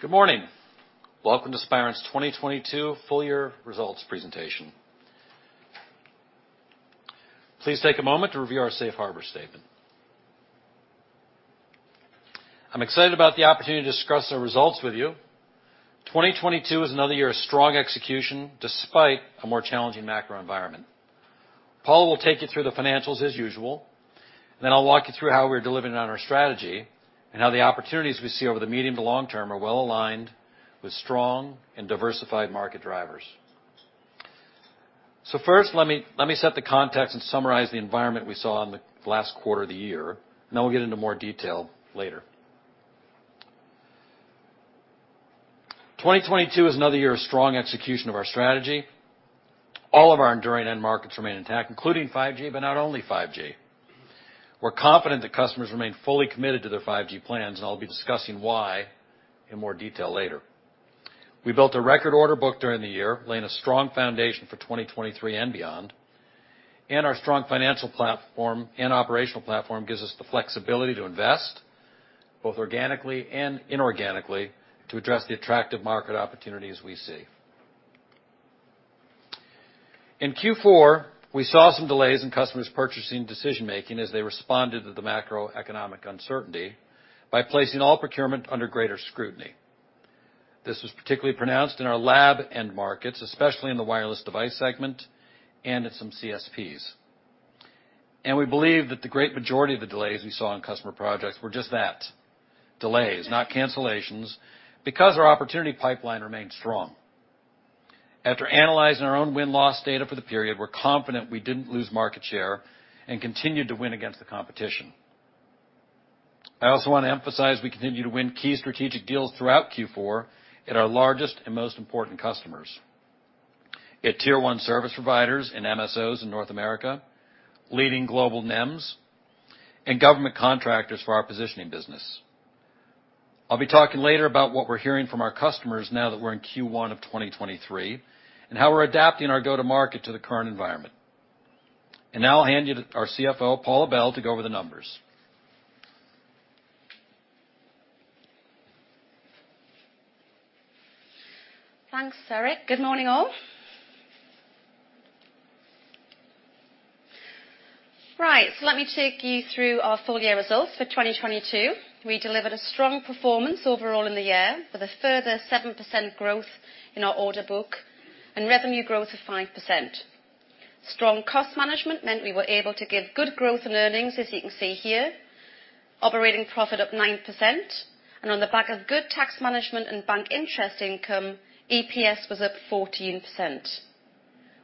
Good morning. Welcome to Spirent's 2022 full year results presentation. Please take a moment to review our safe harbor statement. I'm excited about the opportunity to discuss our results with you. 2022 is another year of strong execution, despite a more challenging macro environment. Paula will take you through the financials as usual, then I'll walk you through how we're delivering on our strategy and how the opportunities we see over the medium to long term are well-aligned with strong and diversified market drivers. First, let me set the context and summarize the environment we saw in the last quarter of the year. We'll get into more detail later. 2022 is another year of strong execution of our strategy. All of our enduring end markets remain intact, including 5G, but not only 5G. We're confident that customers remain fully committed to their 5G plans, and I'll be discussing why in more detail later. We built a record order book during the year, laying a strong foundation for 2023 and beyond. Our strong financial platform and operational platform gives us the flexibility to invest, both organically and inorganically to address the attractive market opportunities we see. In Q4, we saw some delays in customers' purchasing decision-making as they responded to the macroeconomic uncertainty by placing all procurement under greater scrutiny. This was particularly pronounced in our lab end markets, especially in the wireless device segment and in some CSPs. We believe that the great majority of the delays we saw in customer projects were just that, delays, not cancellations, because our opportunity pipeline remained strong. After analyzing our own win-loss data for the period, we're confident we didn't lose market share and continued to win against the competition. I also want to emphasize we continued to win key strategic deals throughout Q4 at our largest and most important customers. At Tier 1 service providers and MSOs in North America, leading global NEMs and government contractors for our positioning business. I'll be talking later about what we're hearing from our customers now that we're in Q1 of 2023, and how we're adapting our go-to-market to the current environment. Now I hand you to our CFO, Paula Bell, to go over the numbers. Thanks, Eric. Good morning, all. Right. Let me take you through our full year results for 2022. We delivered a strong performance overall in the year with a further 7% growth in our order book and revenue growth of 5%. Strong cost management meant we were able to give good growth in earnings, as you can see here. Operating profit up 9%. On the back of good tax management and bank interest income, EPS was up 14%.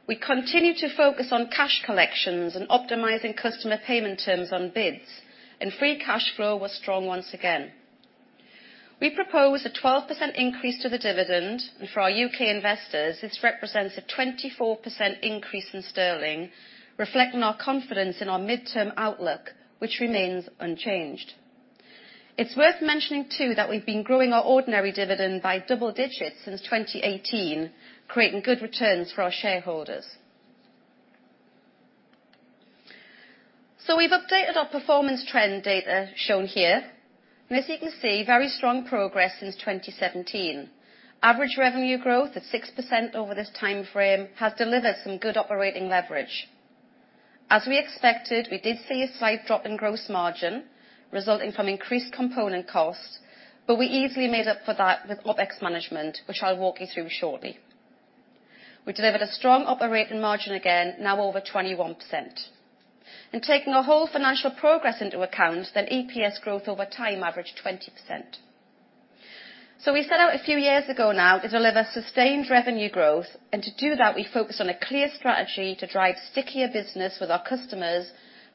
We continued to focus on cash collections and optimizing customer payment terms on bids. Free cash flow was strong once again. We propose a 12% increase to the dividend. For our U.K. investors, this represents a 24% increase in sterling, reflecting our confidence in our midterm outlook, which remains unchanged. It's worth mentioning, too, that we've been growing our ordinary dividend by double digits since 2018, creating good returns for our shareholders. We've updated our performance trend data shown here. As you can see, very strong progress since 2017. Average revenue growth of 6% over this time frame has delivered some good operating leverage. As we expected, we did see a slight drop in gross margin resulting from increased component costs, but we easily made up for that with OpEx management, which I'll walk you through shortly. We delivered a strong operating margin again, now over 21%. In taking our whole financial progress into account, EPS growth over time averaged 20%. We set out a few years ago now to deliver sustained revenue growth. To do that, we focused on a clear strategy to drive stickier business with our customers,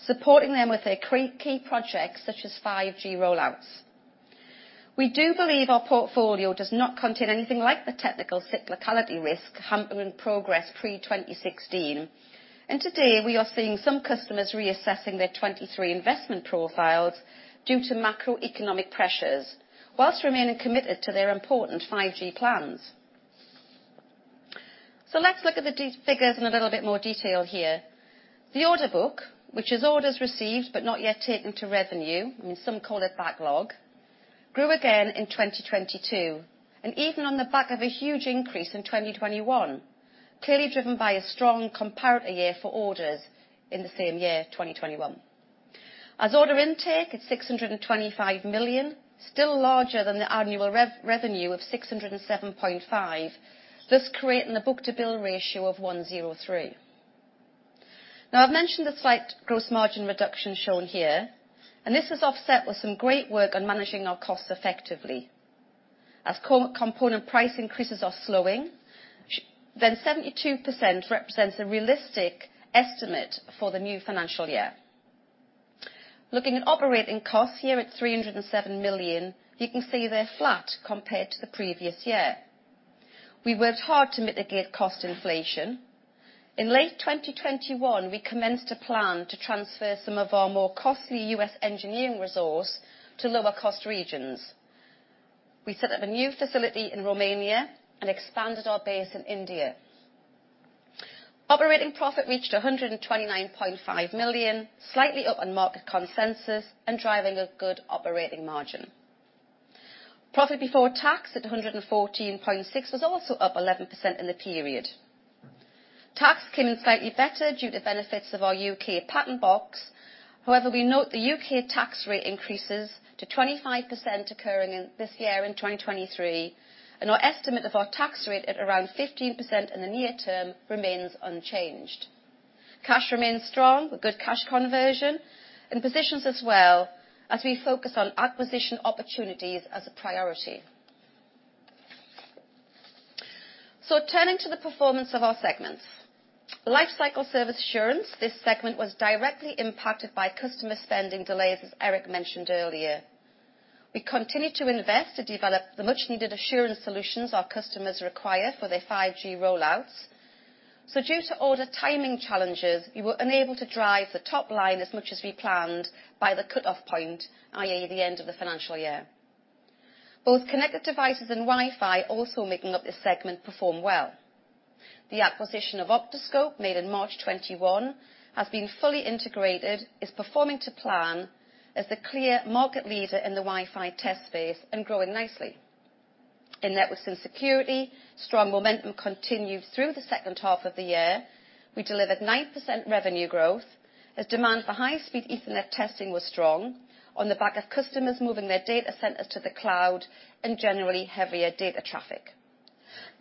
supporting them with their key projects such as 5G rollouts. We do believe our portfolio does not contain anything like the technical cyclicality risk hampering progress pre-2016. Today, we are seeing some customers reassessing their 2023 investment profiles due to macroeconomic pressures, whilst remaining committed to their important 5G plans. Let's look at the figures in a little bit more detail here. The order book, which is orders received but not yet taken to revenue, and some call it backlog, grew again in 2022. Even on the back of a huge increase in 2021, clearly driven by a strong comparative year for orders in the same year, 2021. Order intake is $625 million, still larger than the annual revenue of $607.5 million, thus creating a book-to-bill ratio of 1.03. I've mentioned the slight gross margin reduction shown here, and this is offset with some great work on managing our costs effectively. Component price increases are slowing, then 72% represents a realistic estimate for the new financial year. Looking at operating costs here at $307 million, you can see they're flat compared to the previous year. We worked hard to mitigate cost inflation. In late 2021, we commenced a plan to transfer some of our more costly U.S. engineering resource to lower cost regions. We set up a new facility in Romania and expanded our base in India. Operating profit reached $129.5 million, slightly up on market consensus and driving a good operating margin. Profit before tax at $114.6 million was also up 11% in the period. Tax came in slightly better due to benefits of our U.K. Patent Box. We note the U.K. tax rate increases to 25% occurring in this year in 2023, and our estimate of our tax rate at around 15% in the near term remains unchanged. Cash remains strong with good cash conversion and positions us well as we focus on acquisition opportunities as a priority. Turning to the performance of our segments. Lifecycle Service Assurance, this segment was directly impacted by customer spending delays, as Eric mentioned earlier. We continue to invest to develop the much-needed assurance solutions our customers require for their 5G rollouts. Due to order timing challenges, we were unable to drive the top line as much as we planned by the cutoff point, i.e., the end of the financial year. Both Connected Devices and Wi-Fi also making up this segment perform well. The acquisition of octoScope, made in March 2021, has been fully integrated, is performing to plan as the clear market leader in the Wi-Fi test space and growing nicely. In Networks & Security, strong momentum continued through the second half of the year. We delivered 9% revenue growth as demand for high-speed Ethernet testing was strong on the back of customers moving their data centers to the cloud and generally heavier data traffic.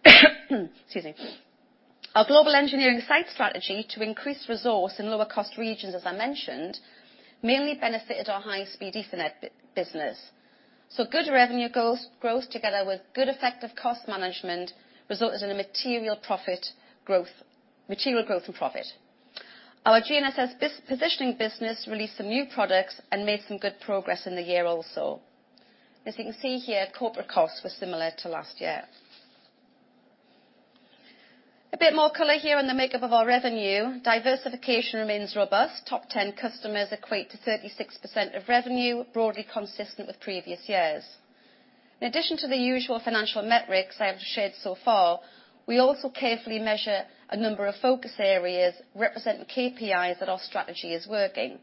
Excuse me. Our global engineering site strategy to increase resource in lower cost regions, as I mentioned, mainly benefited our high-speed Ethernet business. Good revenue growth together with good effective cost management resulted in a material growth in profit. Our GNSS positioning business released some new products and made some good progress in the year also. As you can see here, corporate costs were similar to last year. A bit more color here on the makeup of our revenue. Diversification remains robust. Top 10 customers equate to 36% of revenue, broadly consistent with previous years. In addition to the usual financial metrics I have shared so far, we also carefully measure a number of focus areas representing KPIs that our strategy is working.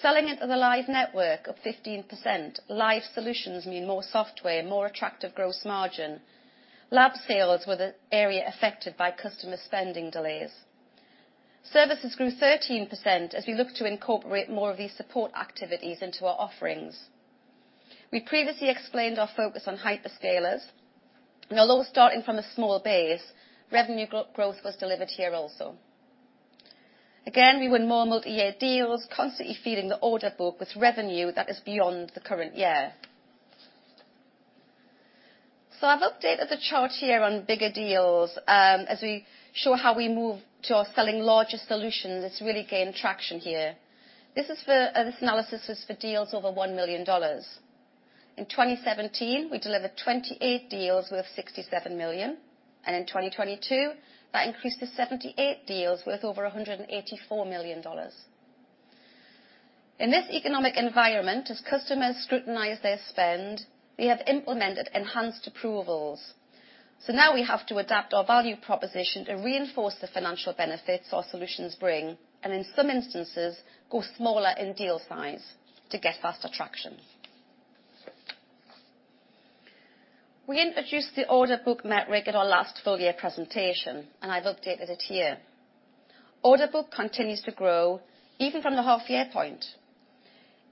Selling into the live network of 15%, live solutions mean more software, more attractive gross margin. Lab sales were the area affected by customer spending delays. Services grew 13% as we look to incorporate more of these support activities into our offerings. We previously explained our focus on hyperscalers, and although starting from a small base, revenue growth was delivered here also. Again, we won more multi-year deals, constantly feeding the order book with revenue that is beyond the current year. I've updated the chart here on bigger deals, as we show how we move to our selling larger solutions. It's really gained traction here. This analysis was for deals over $1 million. In 2017, we delivered 28 deals worth $67 million, and in 2022, that increased to 78 deals worth over $184 million. In this economic environment, as customers scrutinize their spend, we have implemented enhanced approvals. Now we have to adapt our value proposition to reinforce the financial benefits our solutions bring, and in some instances, go smaller in deal size to get faster traction. We introduced the order book metric at our last full year presentation, and I've updated it here. Order book continues to grow even from the half year point.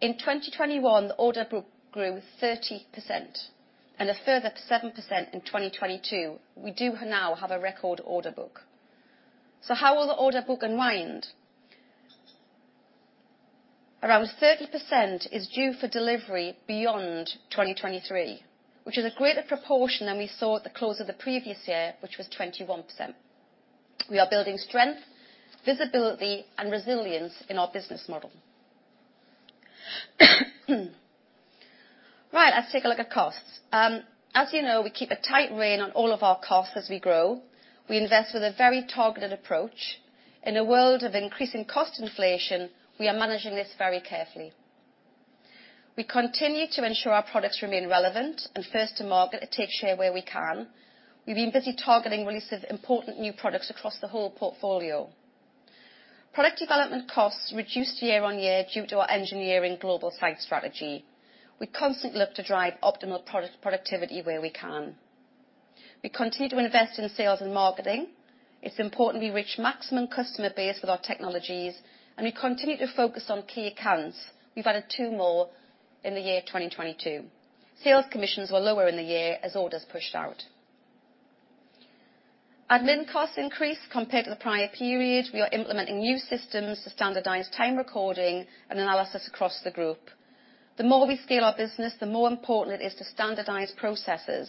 In 2021, the order book grew 30% and a further 7% in 2022. We do now have a record order book. How will the order book unwind? Around 30% is due for delivery beyond 2023, which is a greater proportion than we saw at the close of the previous year, which was 21%. We are building strength, visibility and resilience in our business model. Right, let's take a look at costs. As you know, we keep a tight rein on all of our costs as we grow. We invest with a very targeted approach. In a world of increasing cost inflation, we are managing this very carefully. We continue to ensure our products remain relevant and first to market and take share where we can. We've been busy targeting releases of important new products across the whole portfolio. Product development costs reduced year-over-year due to our engineering global site strategy. We constantly look to drive optimal productivity where we can. We continue to invest in sales and marketing. It's important we reach maximum customer base with our technologies, and we continue to focus on key accounts. We've added two more in the year 2022. Sales commissions were lower in the year as orders pushed out. Admin costs increased compared to the prior period. We are implementing new systems to standardize time recording and analysis across the group. The more we scale our business, the more important it is to standardize processes.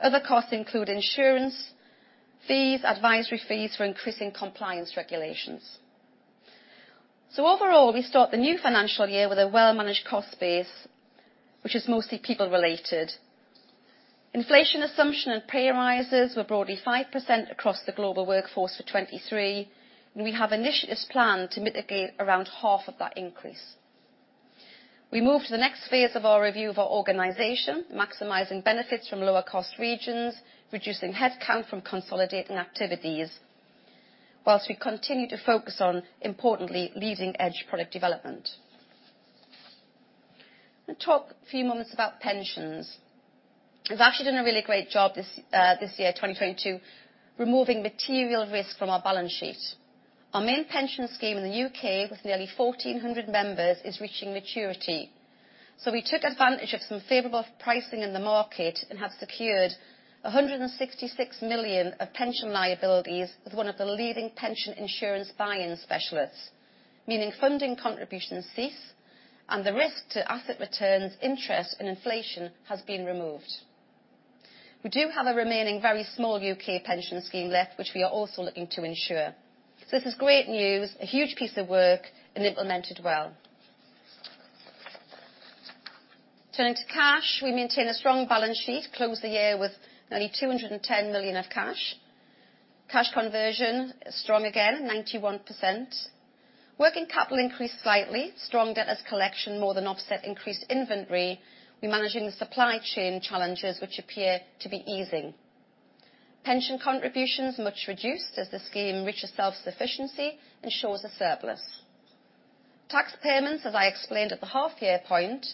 Other costs include insurance fees, advisory fees for increasing compliance regulations. Overall, we start the new financial year with a well-managed cost base, which is mostly people-related. Inflation assumption and pay rises were broadly 5% across the global workforce for 2023, and we have initiatives planned to mitigate around half of that increase. We move to the next phase of our review of our organization, maximizing benefits from lower cost regions, reducing headcount from consolidating activities, whilst we continue to focus on, importantly, leading-edge product development. I'm gonna talk a few moments about pensions. We've actually done a really great job this year, 2022, removing material risk from our balance sheet. Our main pension scheme in the U.K. with nearly 1,400 members is reaching maturity. We took advantage of some favorable pricing in the market and have secured 166 million of pension liabilities with one of the leading pension insurance buy-in specialists, meaning funding contributions cease and the risk to asset returns, interest, and inflation has been removed. We do have a remaining very small U.K. pension scheme left, which we are also looking to insure. This is great news, a huge piece of work, and implemented well. Turning to cash, we maintain a strong balance sheet, closed the year with nearly $210 million of cash. Cash conversion is strong again, 91%. Working capital increased slightly. Strong debtors collection more than offset increased inventory. We're managing the supply chain challenges which appear to be easing. Pension contributions much reduced as the scheme reaches self-sufficiency and shows a surplus. Tax payments, as I explained at the half year point,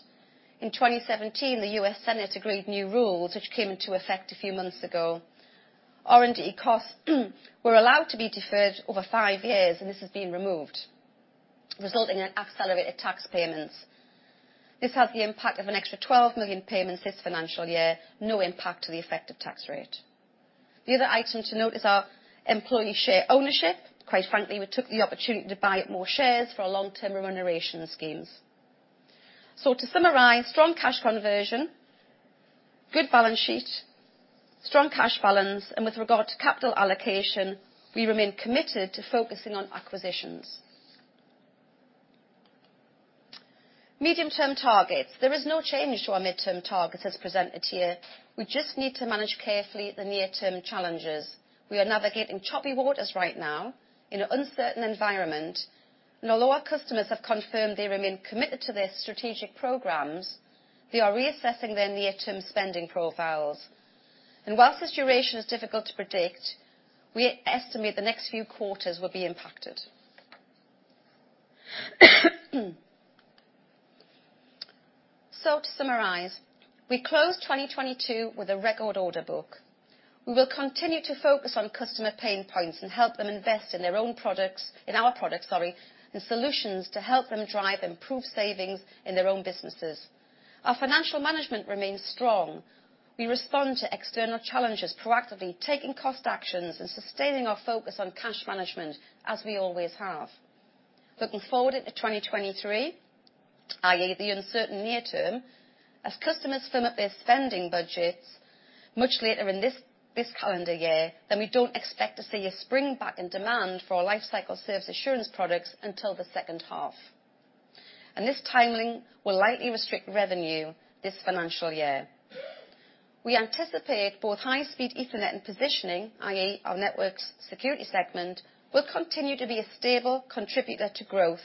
in 2017, the U.S. Senate agreed new rules which came into effect a few months ago. R&D costs were allowed to be deferred over five years. This is being removed, resulting in accelerated tax payments. This had the impact of an extra $12 million payments this financial year. No impact to the effective tax rate. The other item to note is our employee share ownership. Quite frankly, we took the opportunity to buy up more shares for our long-term remuneration schemes. To summarize, strong cash conversion, good balance sheet, strong cash balance. With regard to capital allocation, we remain committed to focusing on acquisitions. Medium-term targets. There is no change to our midterm targets as presented here. We just need to manage carefully the near-term challenges. We are navigating choppy waters right now in an uncertain environment. Although our customers have confirmed they remain committed to their strategic programs, they are reassessing their near-term spending profiles. Whilst this duration is difficult to predict, we estimate the next few quarters will be impacted. To summarize, we closed 2022 with a record order book. We will continue to focus on customer pain points and help them invest in their own products, in our products, sorry, and solutions to help them drive improved savings in their own businesses. Our financial management remains strong. We respond to external challenges proactively, taking cost actions and sustaining our focus on cash management as we always have. Looking forward into 2023, i.e., the uncertain near term, as customers firm up their spending budgets much later in this calendar year, we don't expect to see a spring back in demand for our Lifecycle Service Assurance products until the second half. This timing will likely restrict revenue this financial year. We anticipate both high-speed Ethernet and positioning, i.e., our Networks & Security segment, will continue to be a stable contributor to growth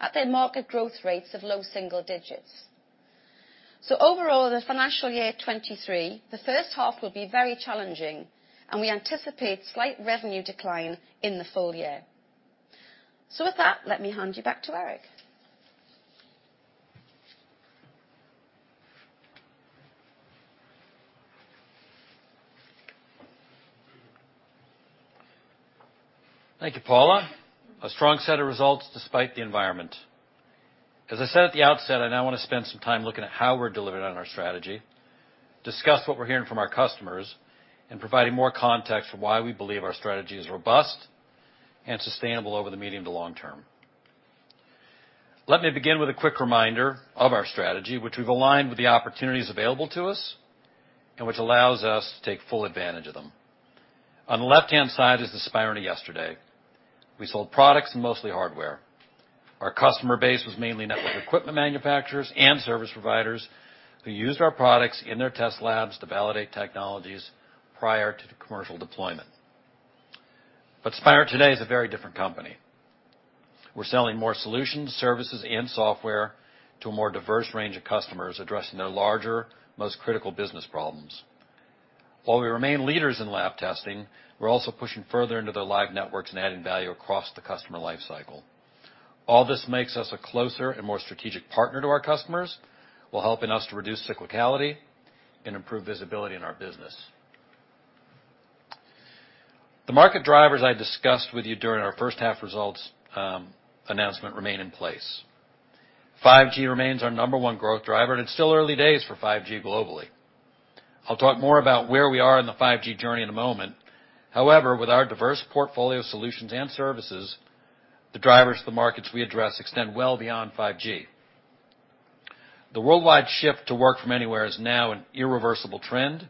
at their market growth rates of low single digits. Overall, the financial year 2023, the first half will be very challenging, and we anticipate slight revenue decline in the full year. With that, let me hand you back to Eric. Thank you, Paula. A strong set of results despite the environment. As I said at the outset, I now want to spend some time looking at how we're delivering on our strategy, discuss what we're hearing from our customers, and providing more context for why we believe our strategy is robust and sustainable over the medium to long term. Let me begin with a quick reminder of our strategy, which we've aligned with the opportunities available to us and which allows us to take full advantage of them. On the left-hand side is the Spirent of yesterday. We sold products and mostly hardware. Our customer base was mainly network equipment manufacturers and service providers who used our products in their test labs to validate technologies prior to the commercial deployment. Spirent today is a very different company. We're selling more solutions, services, and software to a more diverse range of customers addressing their larger, most critical business problems. While we remain leaders in lab testing, we're also pushing further into their live networks and adding value across the customer lifecycle. All this makes us a closer and more strategic partner to our customers, while helping us to reduce cyclicality and improve visibility in our business. The market drivers I discussed with you during our first half results announcement remain in place. 5G remains our number one growth driver, and it's still early days for 5G globally. I'll talk more about where we are in the 5G journey in a moment. With our diverse portfolio of solutions and services, the drivers of the markets we address extend well beyond 5G. The worldwide shift to work from anywhere is now an irreversible trend,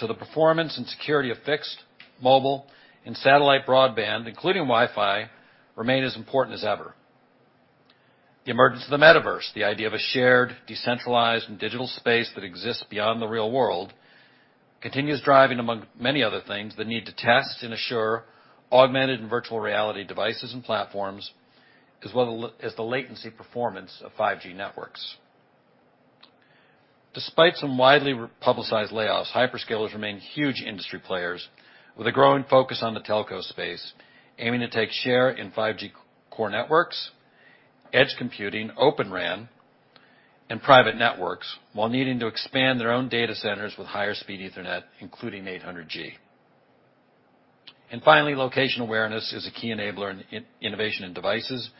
the performance and security of fixed, mobile, and satellite broadband, including Wi-Fi, remain as important as ever. The emergence of the metaverse, the idea of a shared, decentralized, and digital space that exists beyond the real world continues driving, among many other things, the need to test and assure augmented and virtual reality devices and platforms, as well as the latency performance of 5G networks. Despite some widely republicized layoffs, hyperscalers remain huge industry players with a growing focus on the telco space, aiming to take share in 5G core networks, edge computing, Open RAN, and private networks, while needing to expand their own data centers with higher speed Ethernet, including 800G. Finally, location awareness is a key enabler in innovation and devices,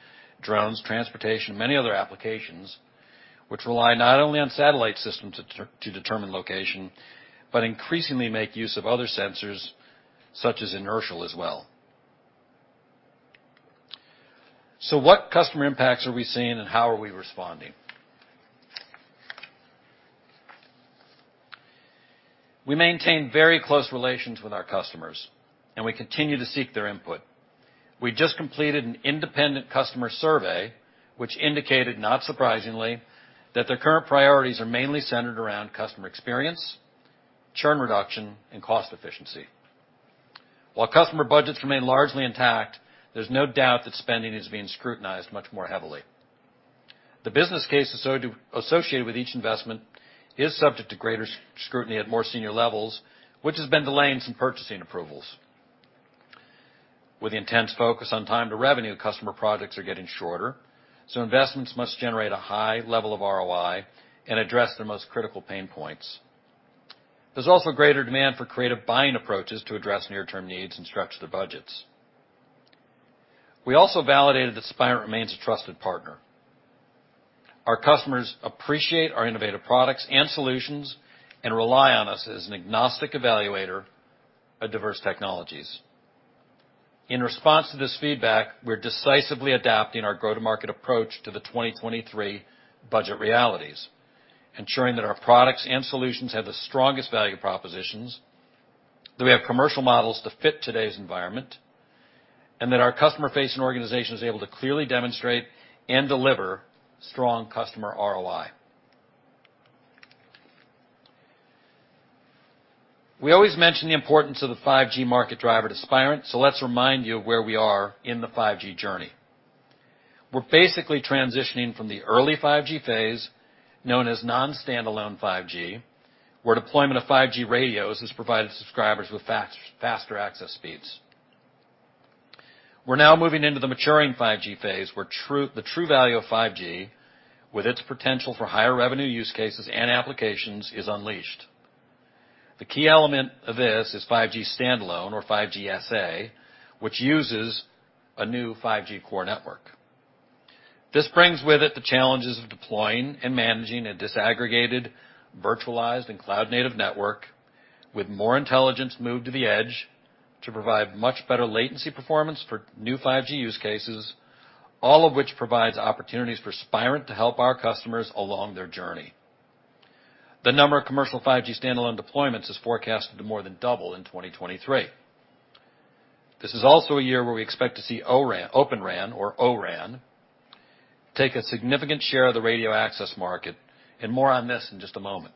drones, transportation, many other applications which rely not only on satellite systems to determine location, but increasingly make use of other sensors, such as inertial as well. What customer impacts are we seeing and how are we responding? We maintain very close relations with our customers, and we continue to seek their input. We just completed an independent customer survey which indicated, not surprisingly, that their current priorities are mainly centered around customer experience, churn reduction, and cost efficiency. While customer budgets remain largely intact, there's no doubt that spending is being scrutinized much more heavily. The business case associated with each investment is subject to greater scrutiny at more senior levels, which has been delaying some purchasing approvals. With the intense focus on time to revenue, customer projects are getting shorter, so investments must generate a high level of ROI and address their most critical pain points. There's also greater demand for creative buying approaches to address near-term needs and stretch their budgets. We also validated that Spirent remains a trusted partner. Our customers appreciate our innovative products and solutions and rely on us as an agnostic evaluator of diverse technologies. In response to this feedback, we're decisively adapting our go-to-market approach to the 2023 budget realities, ensuring that our products and solutions have the strongest value propositions, that we have commercial models to fit today's environment, and that our customer-facing organization is able to clearly demonstrate and deliver strong customer ROI. We always mention the importance of the 5G market driver to Spirent, so let's remind you of where we are in the 5G journey. We're basically transitioning from the early 5G phase, known as Non-Standalone 5G, where deployment of 5G radios has provided subscribers with faster access speeds. We're now moving into the maturing 5G phase, where the true value of 5G, with its potential for higher revenue use cases and applications, is unleashed. The key element of this is 5G Standalone, or 5G SA, which uses a new 5G core network. This brings with it the challenges of deploying and managing a disaggregated, virtualized, and cloud-native network with more intelligence moved to the edge to provide much better latency performance for new 5G use cases, all of which provides opportunities for Spirent to help our customers along their journey. The number of commercial 5G Standalone deployments is forecasted to more than double in 2023. This is also a year where we expect to see O-RAN, Open RAN or O-RAN, take a significant share of the radio access market, and more on this in just a moment.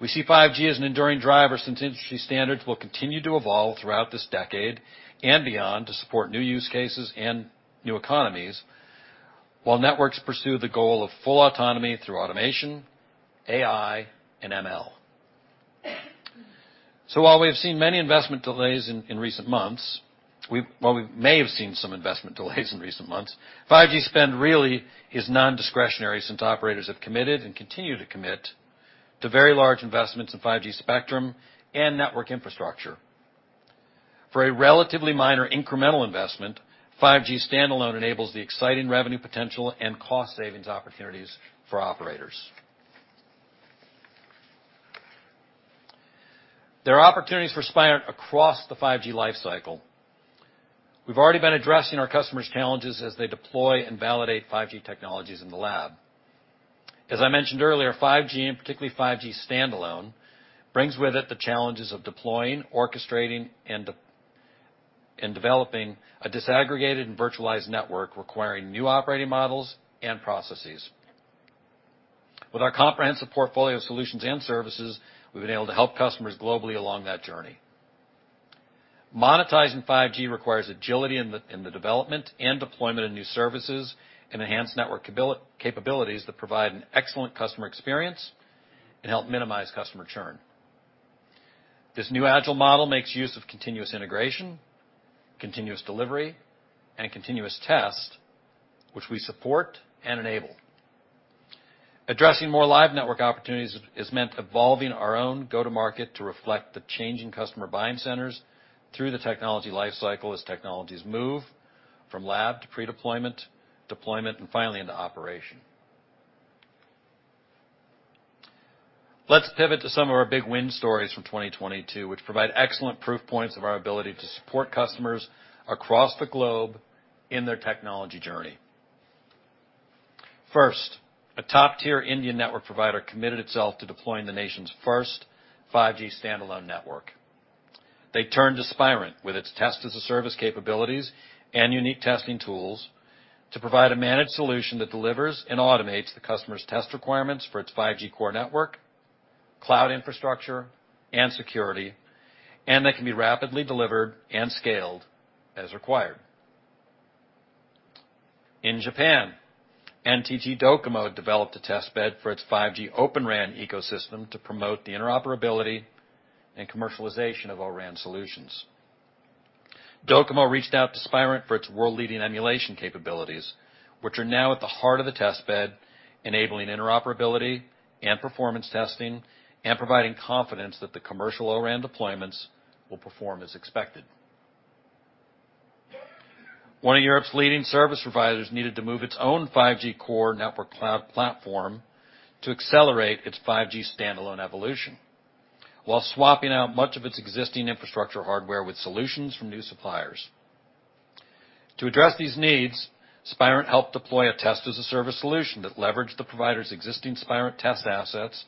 We see 5G as an enduring driver since industry standards will continue to evolve throughout this decade and beyond to support new use cases and new economies, while networks pursue the goal of full autonomy through automation, AI, and ML. While we have seen many investment delays in recent months, while we may have seen some investment delays in recent months, 5G spend really is nondiscretionary since operators have committed and continue to commit to very large investments in 5G spectrum and network infrastructure. For a relatively minor incremental investment, 5G Standalone enables the exciting revenue potential and cost savings opportunities for operators. There are opportunities for Spirent across the 5G life cycle. We've already been addressing our customers' challenges as they deploy and validate 5G technologies in the lab. As I mentioned earlier, 5G, and particularly 5G Standalone, brings with it the challenges of deploying, orchestrating, and developing a disaggregated and virtualized network requiring new operating models and processes. With our comprehensive portfolio of solutions and services, we've been able to help customers globally along that journey. Monetizing 5G requires agility in the development and deployment of new services and enhanced network capabilities that provide an excellent customer experience and help minimize customer churn. This new agile model makes use of continuous integration, continuous delivery, and continuous test, which we support and enable. Addressing more live network opportunities has meant evolving our own go-to-market to reflect the changing customer buying centers through the technology life cycle as technologies move from lab to pre-deployment, deployment, and finally into operation. Let's pivot to some of our big win stories from 2022, which provide excellent proof points of our ability to support customers across the globe in their technology journey. First, a top-tier Indian network provider committed itself to deploying the nation's first 5G Standalone network. They turned to Spirent with its Test as a Service capabilities and unique testing tools to provide a managed solution that delivers and automates the customer's test requirements for its 5G core network, cloud infrastructure, and security, and that can be rapidly delivered and scaled as required. In Japan, NTT DOCOMO developed a test bed for its 5G Open RAN ecosystem to promote the interoperability and commercialization of O-RAN solutions. DOCOMO reached out to Spirent for its world-leading emulation capabilities, which are now at the heart of the test bed, enabling interoperability and performance testing, and providing confidence that the commercial O-RAN deployments will perform as expected. One of Europe's leading service providers needed to move its own 5G core network cloud platform to accelerate its 5G Standalone evolution while swapping out much of its existing infrastructure hardware with solutions from new suppliers. To address these needs, Spirent helped deploy a Test as a Service solution that leveraged the provider's existing Spirent test assets,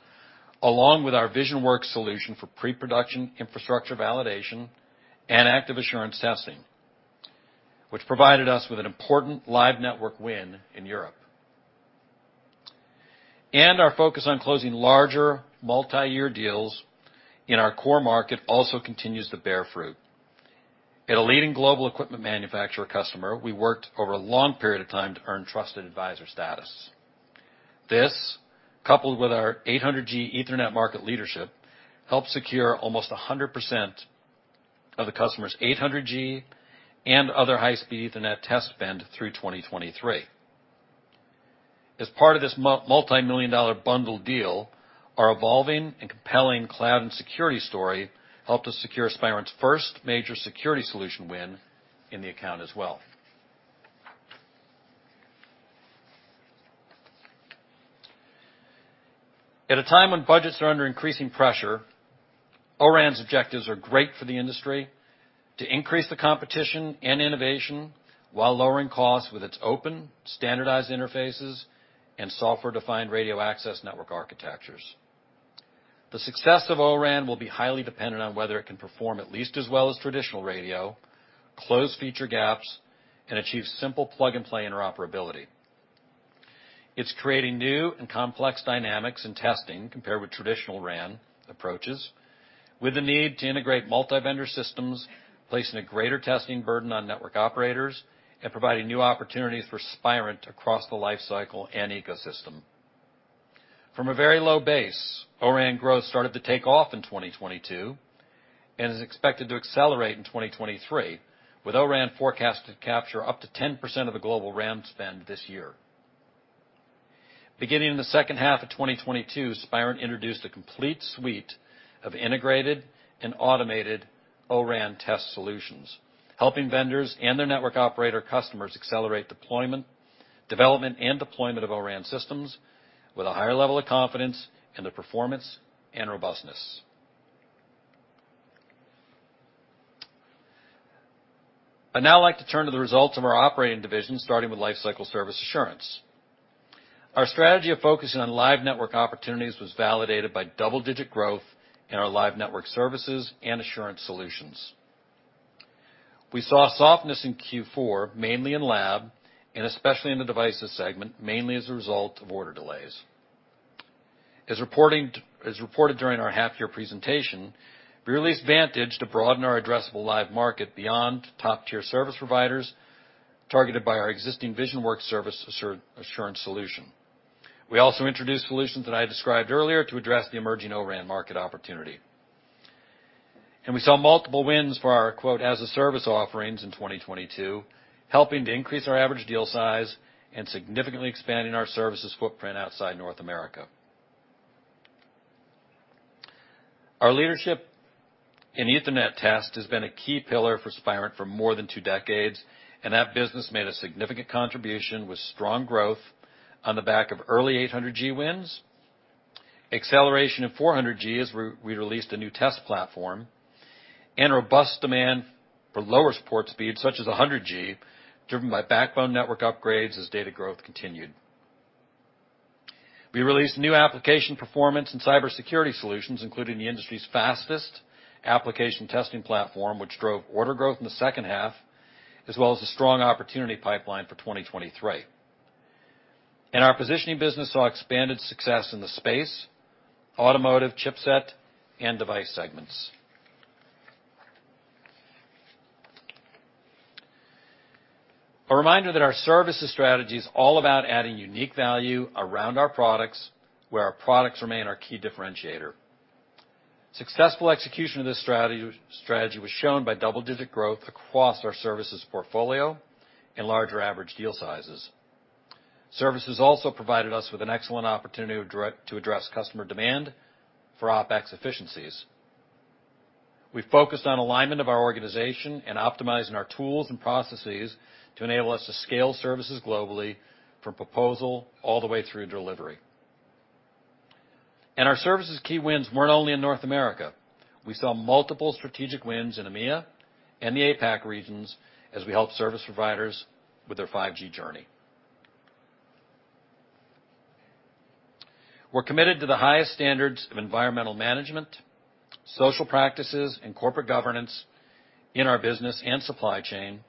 along with our VisionWorks solution for pre-production infrastructure validation and Active Assurance testing, which provided us with an important live network win in Europe. Our focus on closing larger multi-year deals in our core market also continues to bear fruit. At a leading global equipment manufacturer customer, we worked over a long period of time to earn trusted advisor status. This, coupled with our 800G Ethernet market leadership, helped secure almost 100% of the customer's 800G and other high-speed Ethernet test spend through 2023. As part of this multi-million dollar bundle deal, our evolving and compelling cloud and security story helped us secure Spirent's first major security solution win in the account as well. At a time when budgets are under increasing pressure, O-RAN's objectives are great for the industry to increase the competition and innovation while lowering costs with its open, standardized interfaces and software-defined radio access network architectures. The success of O-RAN will be highly dependent on whether it can perform at least as well as traditional radio, close feature gaps, and achieve simple plug-and-play interoperability. It's creating new and complex dynamics in testing compared with traditional RAN approaches, with the need to integrate multi-vendor systems, placing a greater testing burden on network operators, and providing new opportunities for Spirent across the life cycle and ecosystem. From a very low base, O-RAN growth started to take off in 2022 and is expected to accelerate in 2023, with O-RAN forecast to capture up to 10% of the global RAN spend this year. Beginning in the second half of 2022, Spirent introduced a complete suite of integrated and automated O-RAN test solutions, helping vendors and their network operator customers accelerate development, and deployment of O-RAN systems with a higher level of confidence in their performance and robustness. I'd now like to turn to the results of our operating divisions, starting with Lifecycle Service Assurance. Our strategy of focusing on live network opportunities was validated by double-digit growth in our live network services and assurance solutions. We saw softness in Q4, mainly in lab, and especially in the devices segment, mainly as a result of order delays. As reported during our half-year presentation, we released Vantage to broaden our addressable live market beyond top-tier service providers targeted by our existing VisionWorks service assurance solution. We also introduced solutions that I described earlier to address the emerging O-RAN market opportunity. We saw multiple wins for our quote as-a-service offerings in 2022, helping to increase our average deal size and significantly expanding our services footprint outside North America. Our leadership in Ethernet test has been a key pillar for Spirent for more than two decades, and that business made a significant contribution with strong growth on the back of early 800G wins, acceleration in 400G as we released a new test platform, and robust demand for lower support speeds, such as 100G, driven by backbone network upgrades as data growth continued. We released new application performance and cybersecurity solutions, including the industry's fastest application testing platform, which drove order growth in the second half, as well as a strong opportunity pipeline for 2023. Our positioning business saw expanded success in the space, automotive chipset, and device segments. A reminder that our services strategy is all about adding unique value around our products, where our products remain our key differentiator. Successful execution of this strategy was shown by double-digit growth across our services portfolio and larger average deal sizes. Services also provided us with an excellent opportunity to address customer demand for OpEx efficiencies. We focused on alignment of our organization and optimizing our tools and processes to enable us to scale services globally from proposal all the way through delivery. Our services key wins weren't only in North America. We saw multiple strategic wins in EMEA and the APAC regions as we helped service providers with their 5G journey. We're committed to the highest standards of environmental management, social practices, and corporate governance in our business and supply chain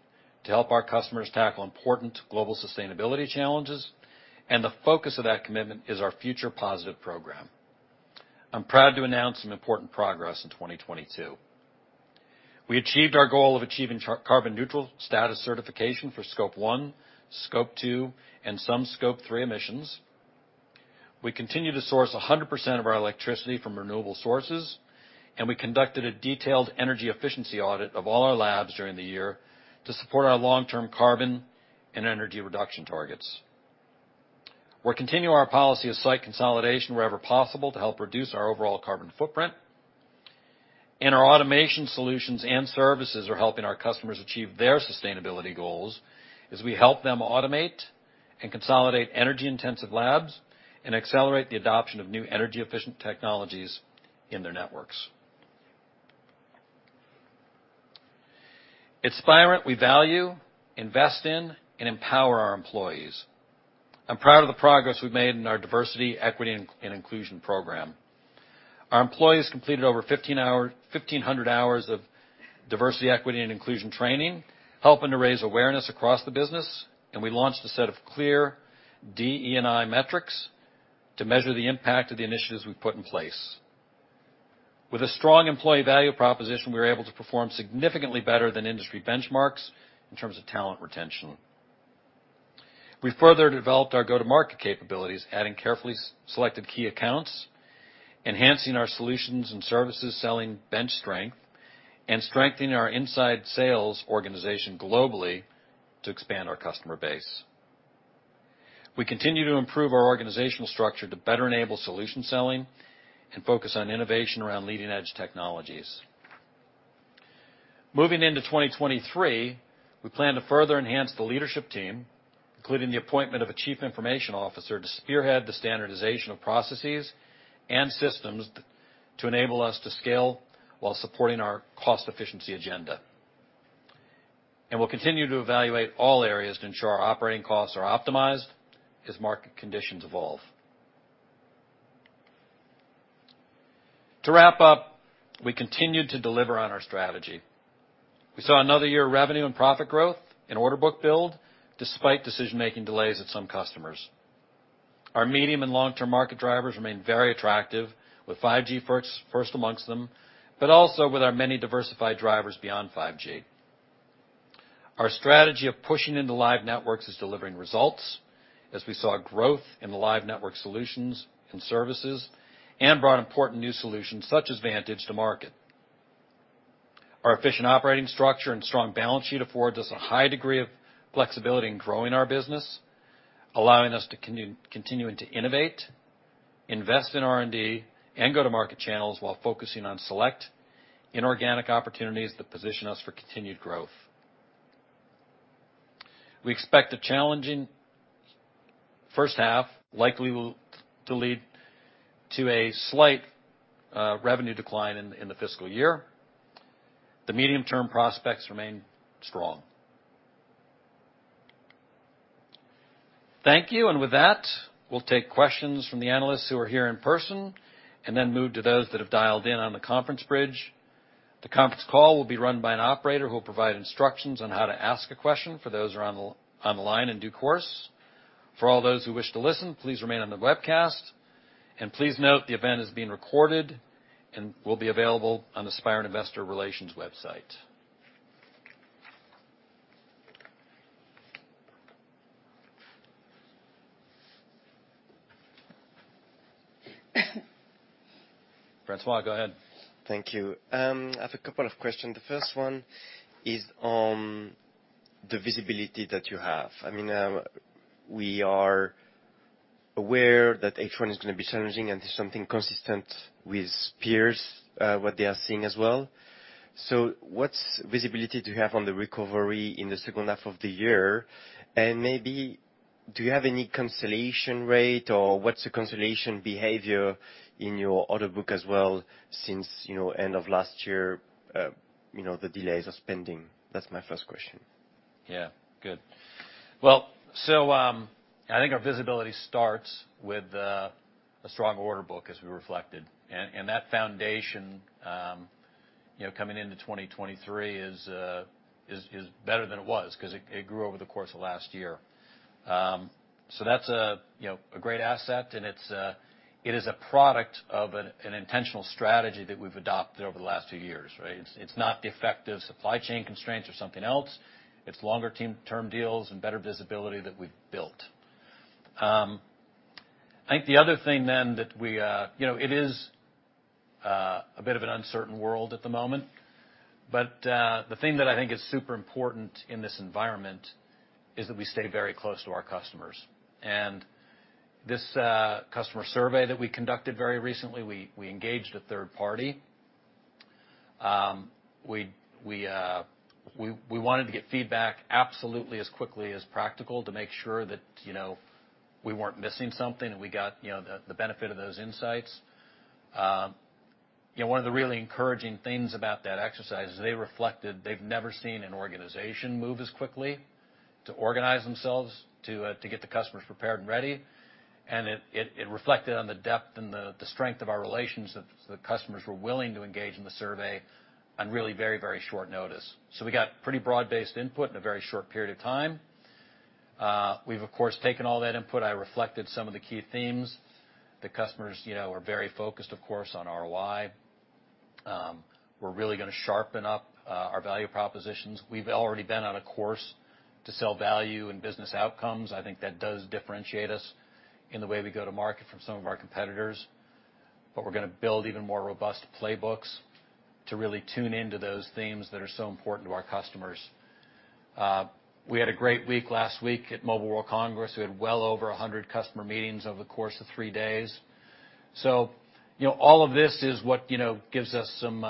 to help our customers tackle important global sustainability challenges. The focus of that commitment is our Future Positive program. I'm proud to announce some important progress in 2022. We achieved our goal of achieving carbon-neutral status certification for Scope 1, Scope 2, and some Scope 3 emissions. We continue to source 100% of our electricity from renewable sources. We conducted a detailed energy efficiency audit of all our labs during the year to support our long-term carbon and energy reduction targets. We're continuing our policy of site consolidation wherever possible to help reduce our overall carbon footprint. Our automation solutions and services are helping our customers achieve their sustainability goals as we help them automate and consolidate energy-intensive labs and accelerate the adoption of new energy-efficient technologies in their networks. At Spirent, we value, invest in, and empower our employees. I'm proud of the progress we've made in our diversity, equity, and inclusion program. Our employees completed over 1,500 hours of diversity, equity, and inclusion training, helping to raise awareness across the business. We launched a set of clear DE&I metrics to measure the impact of the initiatives we've put in place. With a strong employee value proposition, we were able to perform significantly better than industry benchmarks in terms of talent retention. We further developed our go-to-market capabilities, adding carefully selected key accounts, enhancing our solutions and services selling bench strength, and strengthening our inside sales organization globally to expand our customer base. We continue to improve our organizational structure to better enable solution selling and focus on innovation around leading-edge technologies. Moving into 2023, we plan to further enhance the leadership team, including the appointment of a chief information officer to spearhead the standardization of processes and systems to enable us to scale while supporting our cost efficiency agenda. We'll continue to evaluate all areas to ensure our operating costs are optimized as market conditions evolve. To wrap up, we continued to deliver on our strategy. We saw another year of revenue and profit growth and order book build despite decision-making delays at some customers. Our medium and long-term market drivers remain very attractive with 5G first amongst them, but also with our many diversified drivers beyond 5G. Our strategy of pushing into live networks is delivering results as we saw growth in the live network solutions and services and brought important new solutions such as Vantage to market. Our efficient operating structure and strong balance sheet affords us a high degree of flexibility in growing our business, allowing us to continuing to innovate, invest in R&D, and go to market channels while focusing on select inorganic opportunities that position us for continued growth. We expect a challenging first half, likely will to lead to a slight revenue decline in the fiscal year. The medium-term prospects remain strong. Thank you. With that, we'll take questions from the analysts who are here in person and then move to those that have dialed in on the conference bridge. The conference call will be run by an operator who will provide instructions on how to ask a question for those who are on the line in due course. For all those who wish to listen, please remain on the webcast. Please note the event is being recorded and will be available on the Spirent Investor Relations website. Francois, go ahead. Thank you. I have a couple of questions. The first one is on the visibility that you have. I mean, we are aware that H1 is going to be challenging and something consistent with peers, what they are seeing as well. What's visibility do you have on the recovery in the second half of the year? Maybe do you have any cancellation rate, or what's the cancellation behavior in your order book as well since, you know, end of last year, you know, the delays are spending? That's my first question. Yeah. Good. Well, I think our visibility starts with a strong order book as we reflected. That foundation, you know, coming into 2023 is better than it was 'cause it grew over the course of last year. That's a, you know, a great asset, and it's a product of an intentional strategy that we've adopted over the last few years, right? It's not the effect of supply chain constraints or something else. It's longer-term deals and better visibility that we've built. I think the other thing then that we, you know, it is a bit of an uncertain world at the moment, but the thing that I think is super important in this environment is that we stay very close to our customers. This customer survey that we conducted very recently, we engaged a third party. We wanted to get feedback absolutely as quickly as practical to make sure that, you know, we weren't missing something and we got, you know, the benefit of those insights. One of the really encouraging things about that exercise is they reflected they've never seen an organization move as quickly to organize themselves, to get the customers prepared and ready. It reflected on the depth and the strength of our relations that the customers were willing to engage in the survey on really very, very short notice. We got pretty broad-based input in a very short period of time. We've of course, taken all that input. I reflected some of the key themes. The customers, you know, are very focused, of course, on ROI. We're really going to sharpen up our value propositions. We've already been on a course to sell value and business outcomes. I think that does differentiate us in the way we go to market from some of our competitors. We're going to build even more robust playbooks to really tune into those themes that are so important to our customers. We had a great week last week at Mobile World Congress. We had well over 100 customer meetings over the course of three days. You know, all of this is what, you know, gives us some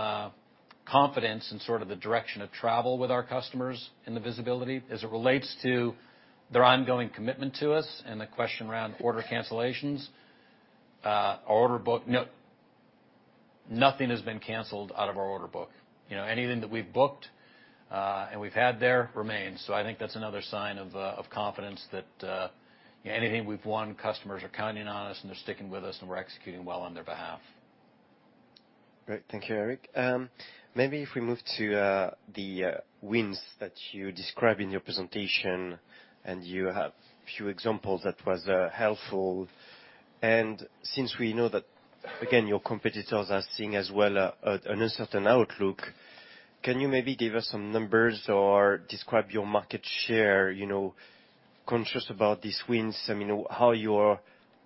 confidence in sort of the direction of travel with our customers and the visibility as it relates to their ongoing commitment to us and the question around order cancellations. Our order book, nothing has been canceled out of our order book. You know, anything that we've booked, and we've had there remains. I think that's another sign of confidence that anything we've won, customers are counting on us and they're sticking with us, and we're executing well on their behalf. Great. Thank you, Eric. Maybe if we move to the wins that you described in your presentation, you have a few examples that was helpful. Since we know that, again, your competitors are seeing as well an uncertain outlook, can you maybe give us some numbers or describe your market share, you know, conscious about these wins, I mean, how your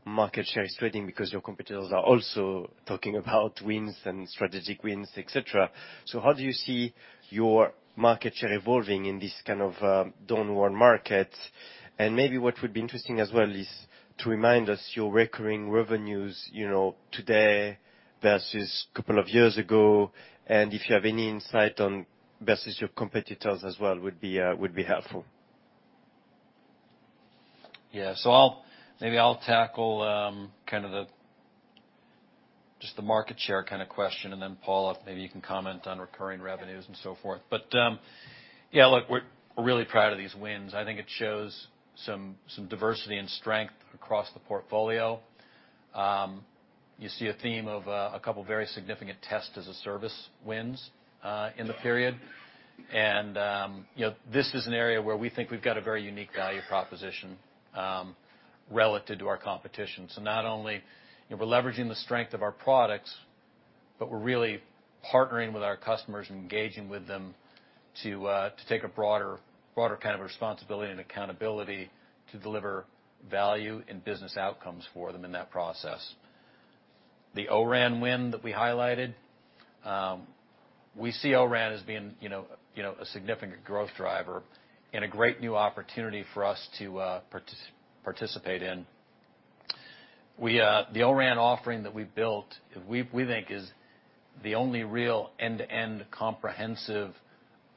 market share is trading because your competitors are also talking about wins and strategic wins, et cetera. How do you see your market share evolving in this kind of downward market? Maybe what would be interesting as well is to remind us your recurring revenues, you know, today versus two years ago, and if you have any insight on versus your competitors as well would be helpful. Yeah. I'll Maybe I'll tackle kind of the just the market share kind of question, and then Paula, maybe you can comment on recurring revenues and so forth? Yeah, look, we're really proud of these wins. I think it shows some diversity and strength across the portfolio. You see a theme of a couple of very significant Test as a Service wins in the period. You know, this is an area where we think we've got a very unique value proposition relative to our competition. Not only are we leveraging the strength of our products, but we're really partnering with our customers, engaging with them to take a broader kind of responsibility and accountability to deliver value in business outcomes for them in that process. The O-RAN win that we highlighted, we see O-RAN as being, you know, you know, a significant growth driver and a great new opportunity for us to participate in. We, the O-RAN offering that we built, we think is the only real end-to-end comprehensive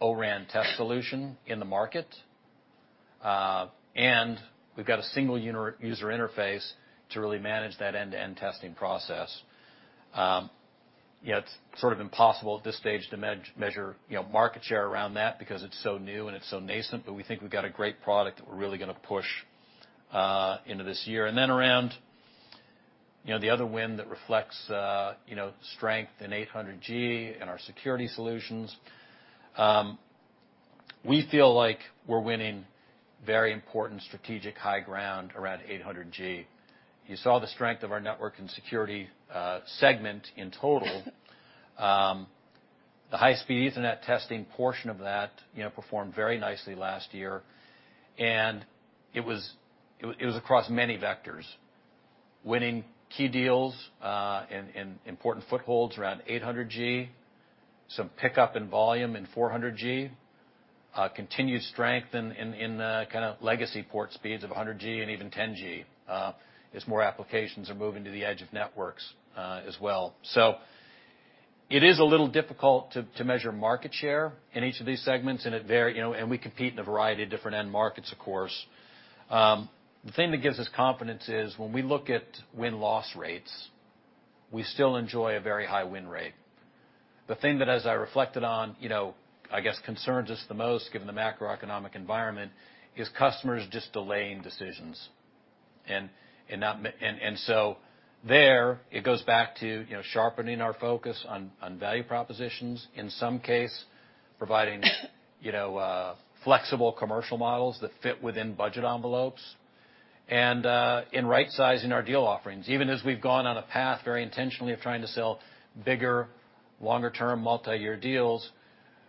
O-RAN test solution in the market. We've got a single user interface to really manage that end-to-end testing process. You know, it's sort of impossible at this stage to measure, you know, market share around that because it's so new and it's so nascent, but we think we've got a great product that we're really going to push into this year. Around, you know, the other win that reflects, you know, strength in 800G and our security solutions, we feel like we're winning very important strategic high ground around 800G. You saw the strength of our Networks & Security segment in total. The high-speed Ethernet testing portion of that, you know, performed very nicely last year. It was across many vectors, winning key deals, and important footholds around 800G, some pickup in volume in 400G, continued strength in legacy port speeds of 100G and even 10G, as more applications are moving to the edge of networks as well. It is a little difficult to measure market share in each of these segments, and you know, and we compete in a variety of different end markets, of course. The thing that gives us confidence is when we look at win-loss rates, we still enjoy a very high win rate. The thing that as I reflected on, you know, I guess concerns us the most, given the macroeconomic environment, is customers just delaying decisions. There it goes back to, you know, sharpening our focus on value propositions, in some case, providing, you know, flexible commercial models that fit within budget envelopes and in rightsizing our deal offerings. Even as we've gone on a path very intentionally of trying to sell bigger, longer-term, multi-year deals,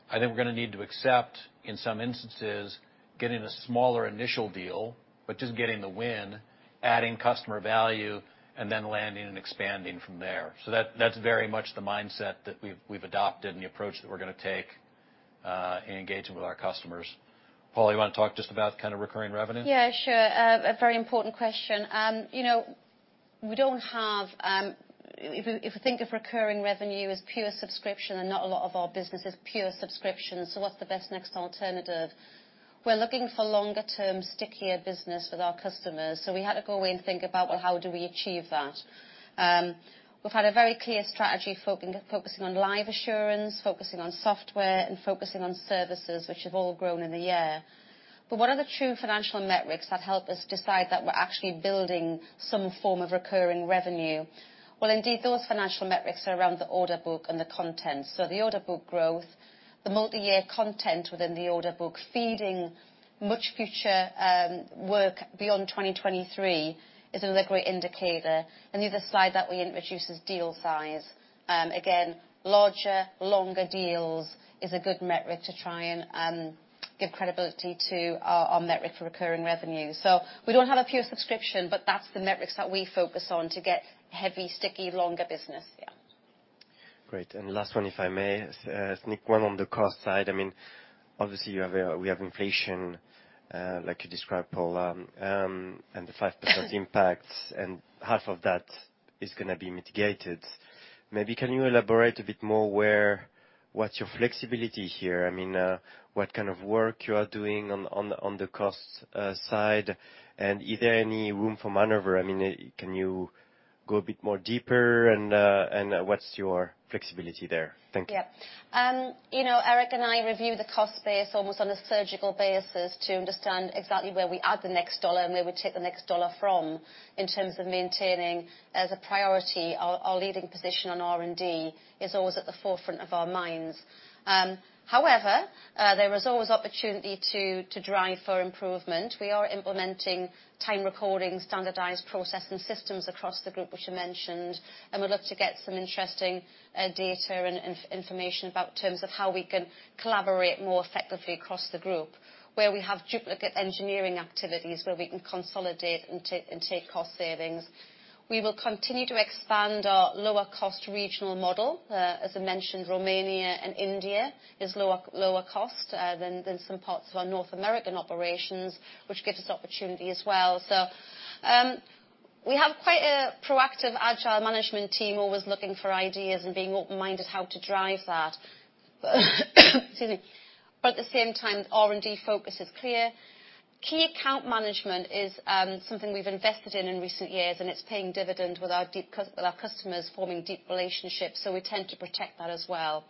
I think we're going to need to accept, in some instances, getting a smaller initial deal, but just getting the win, adding customer value, and then landing and expanding from there. That, that's very much the mindset that we've adopted and the approach that we're going to take in engaging with our customers. Paula, you want to talk just about kind of recurring revenue? Yeah, sure. A very important question. You know, we don't have, if we think of recurring revenue as pure subscription, and not a lot of our business is pure subscription. What's the best next alternative? We're looking for longer-term stickier business with our customers. We had to go away and think about, well, how do we achieve that? We've had a very clear strategy focusing on Live Assurance, focusing on software, and focusing on services, which have all grown in the year. What are the true financial metrics that help us decide that we're actually building some form of recurring revenue? Well, indeed, those financial metrics are around the order book and the content. The order book growth, the multiyear content within the order book, feeding much future work beyond 2023 is another great indicator. The other side that we introduce is deal size. Again, larger, longer deals is a good metric to try and give credibility to our metric for recurring revenue. We don't have a pure subscription, but that's the metrics that we focus on to get heavy, sticky, longer business, yeah. Great. Last one, if I may, sneak one on the cost side. I mean, obviously, we have inflation, like you described, Paula, and the 5% impacts, and half of that is gonna be mitigated. Maybe can you elaborate a bit more what's your flexibility here? I mean, what kind of work you are doing on the cost side? Is there any room for maneuver? I mean, can you go a bit more deeper, and what's your flexibility there? Thank you. Yeah. you know, Eric and I review the cost base almost on a surgical basis to understand exactly where we add the next dollar and where we take the next dollar from in terms of maintaining, as a priority, our leading position on R&D is always at the forefront of our minds. However, there is always opportunity to drive for improvement. We are implementing time recording, standardized processing systems across the group, which you mentioned, and we'd love to get some interesting data and information about terms of how we can collaborate more effectively across the group, where we have duplicate engineering activities where we can consolidate and take cost savings. We will continue to expand our lower cost regional model. As I mentioned, Romania and India is lower cost than some parts of our North American operations, which gives us opportunity as well. We have quite a proactive, agile management team always looking for ideas and being open-minded how to drive that. Excuse me. At the same time, R&D focus is clear. Key account management is something we've invested in in recent years, and it's paying dividend with our customers forming deep relationships, we tend to protect that as well.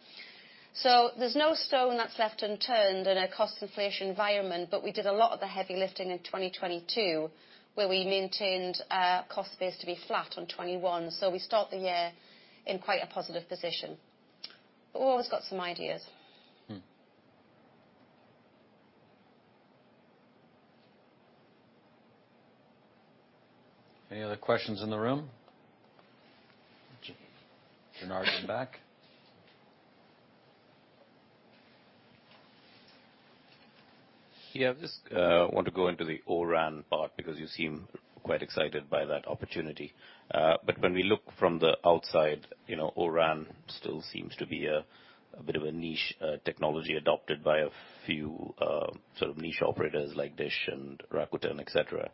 There's no stone that's left unturned in a cost inflation environment, but we did a lot of the heavy lifting in 2022, where we maintained our cost base to be flat on 2021. We start the year in quite a positive position. We've always got some ideas. Mm-hmm. Any other questions in the room? Janardan, back. Yeah. Just want to go into the O-RAN part because you seem quite excited by that opportunity. When we look from the outside, you know, O-RAN still seems to be a bit of a niche technology adopted by a few sort of niche operators like DISH and Rakuten, et cetera.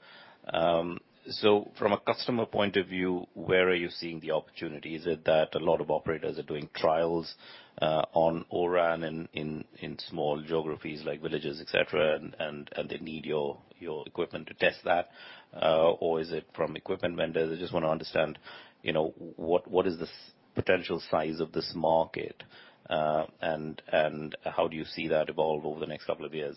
From a customer point of view, where are you seeing the opportunity? Is it that a lot of operators are doing trials on O-RAN in small geographies like villages, et cetera, and they need your equipment to test that? Or is it from equipment vendors? I just wanna understand, you know, what is the potential size of this market and how do you see that evolve over the next couple of years?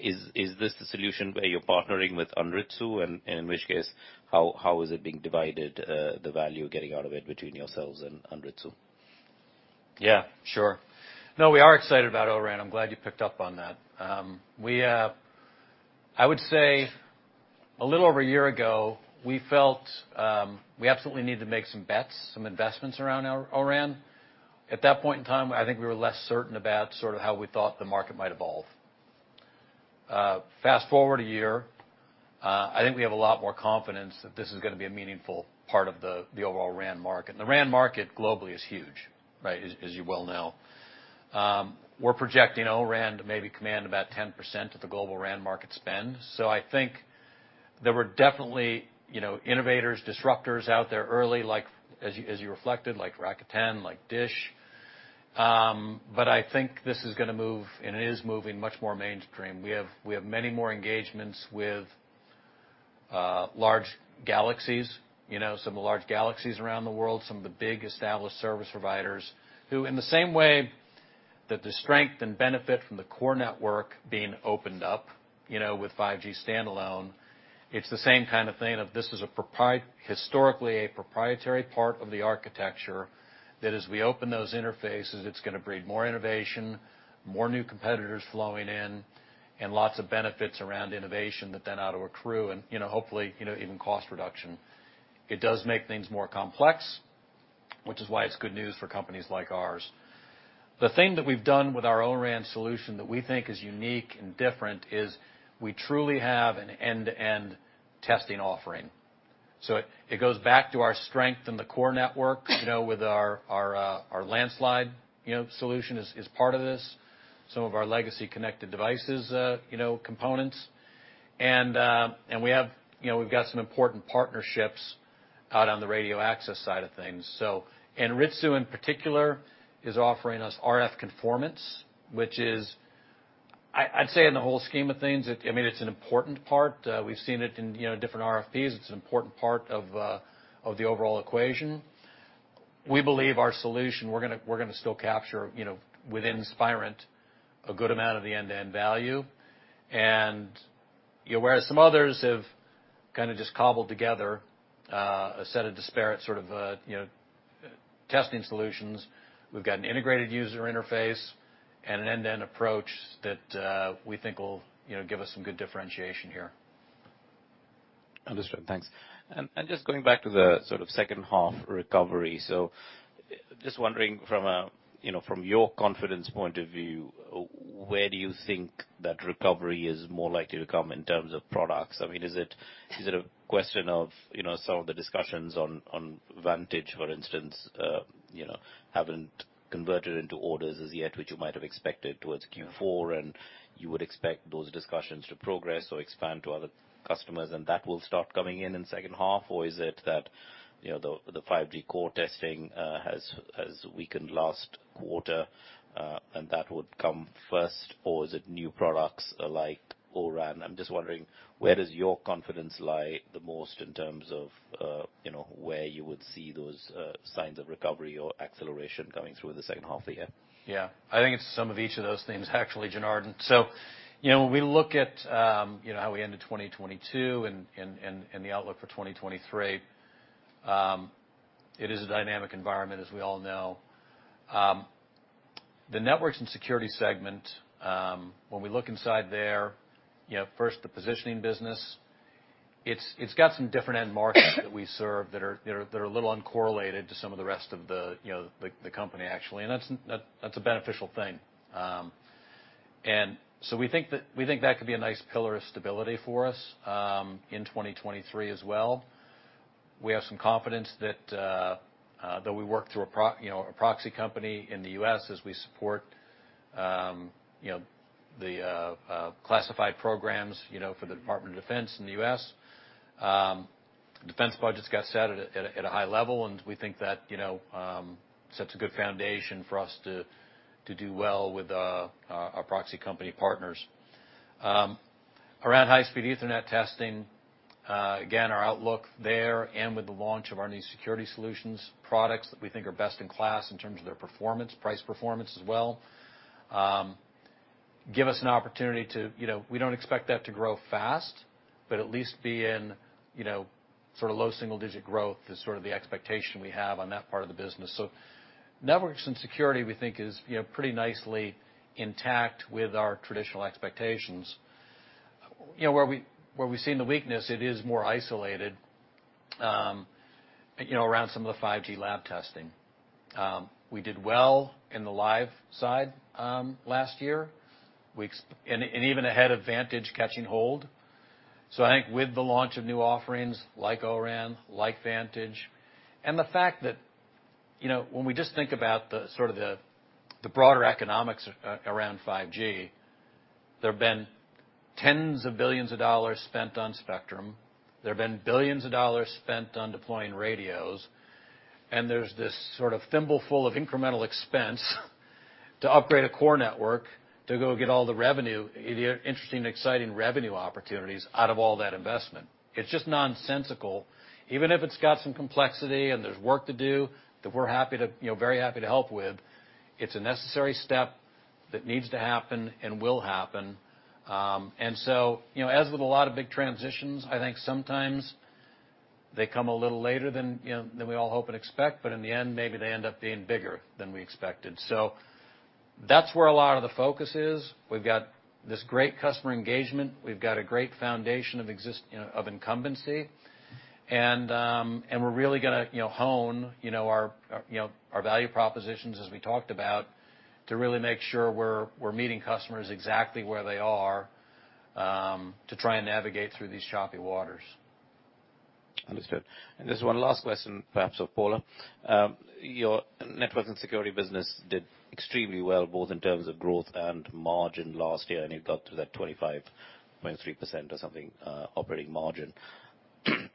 Is this the solution where you're partnering with Anritsu? In which case, how is it being divided, the value getting out of it between yourselves and Anritsu? Yeah, sure. We are excited about O-RAN. I'm glad you picked up on that. I would say a little over a year ago, we felt we absolutely needed to make some bets, some investments around O-RAN. At that point in time, I think we were less certain about sort of how we thought the market might evolve. Fast-forward a year, I think we have a lot more confidence that this is gonna be a meaningful part of the overall RAN market. The RAN market globally is huge, right, as you well know. We're projecting O-RAN to maybe command about 10% of the global RAN market spend. I think there were definitely, you know, innovators, disruptors out there early, like, as you reflected, like Rakuten, like DISH. I think this is gonna move, and it is moving much more mainstream. We have many more engagements with large galaxies, you know, some of the large galaxies around the world, some of the big established service providers, who in the same way that the strength and benefit from the core network being opened up, you know, with 5G Standalone, it's the same kind of thing of this is a historically a proprietary part of the architecture that as we open those interfaces, it's gonna breed more innovation, more new competitors flowing in, and lots of benefits around innovation that then ought to accrue and, you know, hopefully, you know, even cost reduction. It does make things more complex, which is why it's good news for companies like ours. The thing that we've done with our O-RAN solution that we think is unique and different is we truly have an end-to-end testing offering. It, it goes back to our strength in the core network, you know, with our, our Landslide, you know, solution is part of this, some of our legacy Connected Devices, you know, components. And we have, you know, we've got some important partnerships out on the radio access side of things. Anritsu, in particular, is offering us RF conformance, which is, I'd say in the whole scheme of things, it, I mean, it's an important part. We've seen it in, you know, different RFPs. It's an important part of the overall equation. We believe our solution, we're gonna still capture, you know, within Spirent, a good amount of the end-to-end value. You're aware some others have kinda just cobbled together, a set of disparate sort of, you know, testing solutions. We've got an integrated user interface and an end-to-end approach that, we think will, you know, give us some good differentiation here. Understood. Thanks. Just going back to the sort of second half recovery. Just wondering from a, you know, from your confidence point of view, where do you think that recovery is more likely to come in terms of products? I mean, is it a question of, you know, some of the discussions on Vantage, for instance, you know, haven't converted into orders as yet, which you might have expected towards Q4, and you would expect those discussions to progress or expand to other customers, and that will start coming in in second half? Is it that, you know, the 5G core testing has weakened last quarter, and that would come first? Is it new products like O-RAN? I'm just wondering, where does your confidence lie the most in terms of, you know, where you would see those signs of recovery or acceleration coming through in the second half of the year? Yeah. I think it's some of each of those things actually, Janardan. You know, when we look at, you know, how we ended 2022 and the outlook for 2023, it is a dynamic environment, as we all know. The Networks & Security segment, when we look inside there, you know, first the positioning business, it's got some different end markets that we serve that are, they're a little uncorrelated to some of the rest of the, you know, the company, actually. That's a beneficial thing. We think that could be a nice pillar of stability for us, in 2023 as well. We have some confidence that we work through a proxy company in the U.S. as we support, you know, the classified programs, you know, for the Department of Defense in the U.S. Defense budgets got set at a high level. We think that, you know, sets a good foundation for us to do well with our proxy company partners. Around high-speed Ethernet testing, again, our outlook there and with the launch of our new security solutions products that we think are best in class in terms of their performance, price performance as well, give us an opportunity to. We don't expect that to grow fast, but at least be in low single-digit growth is the expectation we have on that part of the business. Networks & Security, we think is pretty nicely intact with our traditional expectations. Where we've seen the weakness, it is more isolated around some of the 5G lab testing. We did well in the live side last year and even ahead of Vantage catching hold. I think with the launch of new offerings like O-RAN, like Vantage, and the fact that, you know, when we just think about the broader economics around 5G, there have been tens of billions of dollars spent on spectrum, there have been billions of dollars spent on deploying radios, and there's this sort of thimble full of incremental expense to upgrade a core network to go get all the revenue, interesting, exciting revenue opportunities out of all that investment. It's just nonsensical. Even if it's got some complexity and there's work to do that we're happy to, you know, very happy to help with, it's a necessary step that needs to happen and will happen. You know, as with a lot of big transitions, I think sometimes they come a little later than, you know, than we all hope and expect, but in the end, maybe they end up being bigger than we expected. That's where a lot of the focus is. We've got this great customer engagement. We've got a great foundation of incumbency. We're really gonna, you know, hone, you know, our, you know, our value propositions as we talked about, to really make sure we're meeting customers exactly where they are to try and navigate through these choppy waters. Understood. Just one last question, perhaps of Paula. Your Networks & Security business did extremely well, both in terms of growth and margin last year, and you got to that 25.3% or something, operating margin.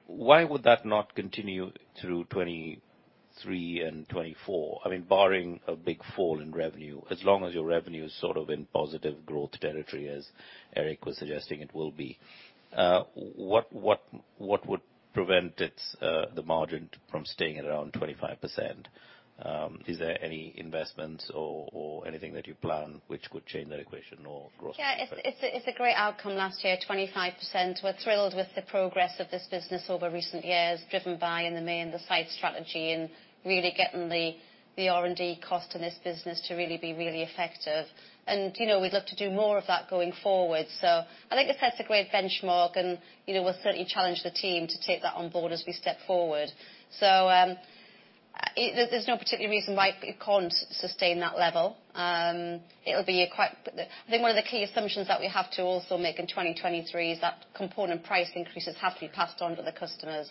Why would that not continue through 2023 and 2024? I mean, barring a big fall in revenue, as long as your revenue is sort of in positive growth territory, as Eric was suggesting it will be, what would prevent it, the margin from staying at around 25%? Is there any investments or anything that you plan which could change that equation? Yeah, it's a great outcome last year, 25%. We're thrilled with the progress of this business over recent years, driven by, in the main, the site strategy and really getting the R&D cost in this business to really be really effective. You know, we'd love to do more of that going forward. I think it sets a great benchmark, and, you know, we'll certainly challenge the team to take that on board as we step forward. There's no particular reason why it can't sustain that level. It'll be I think one of the key assumptions that we have to also make in 2023 is that component price increases have to be passed on to the customers.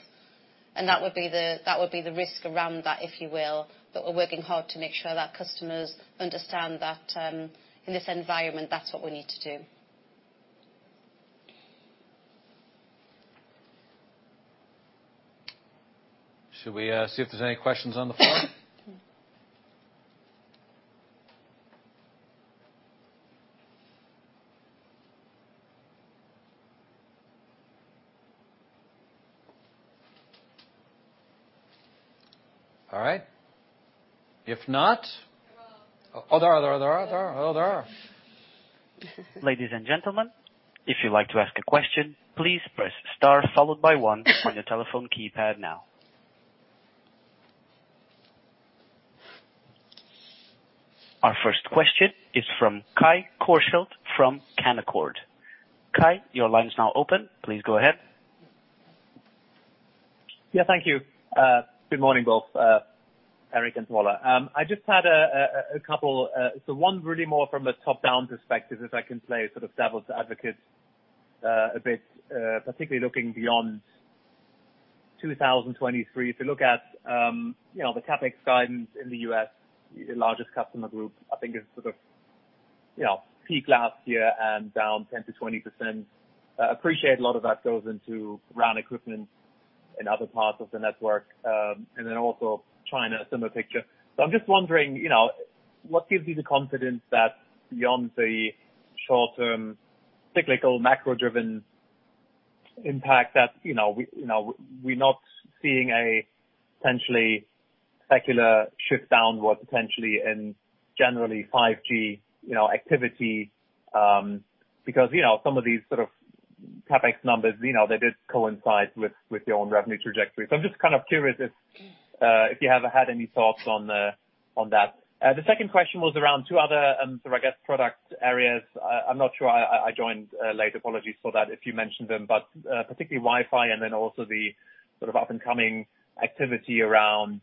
That would be the risk around that, if you will. We're working hard to make sure that customers understand that, in this environment, that's what we need to do. Should we see if there's any questions on the phone? All right. There are. Oh, there are. Oh, there are. Ladies and gentlemen, if you'd like to ask a question, please press star followed by one on your telephone keypad now. Our first question is from Kai Korschelt from Canaccord. Kai, your line is now open. Please go ahead. Yeah, thank you. Good morning, both, Eric and Paula. I just had a couple. One really more from a top-down perspective, if I can play sort of devil's advocate, a bit, particularly looking beyond 2023 to look at, you know, the CapEx guidance in the U.S., your largest customer group, I think is sort of, you know, peak last year and down 10%-20%. Appreciate a lot of that goes into RAN equipment in other parts of the network, and then also China, a similar picture. I'm just wondering, you know, what gives you the confidence that beyond the short-term cyclical macro-driven impact that, you know, we, you know, we're not seeing a potentially secular shift downward potentially in generally 5G, you know, activity, because, you know, some of these sort of CapEx numbers, you know, they did coincide with your own revenue trajectory. I'm just kind of curious if you have had any thoughts on that? The second question was around two other, sort of I guess, product areas. I'm not sure I joined late, apologies for that if you mentioned them. Particularly Wi-Fi and then also the sort of up-and-coming activity around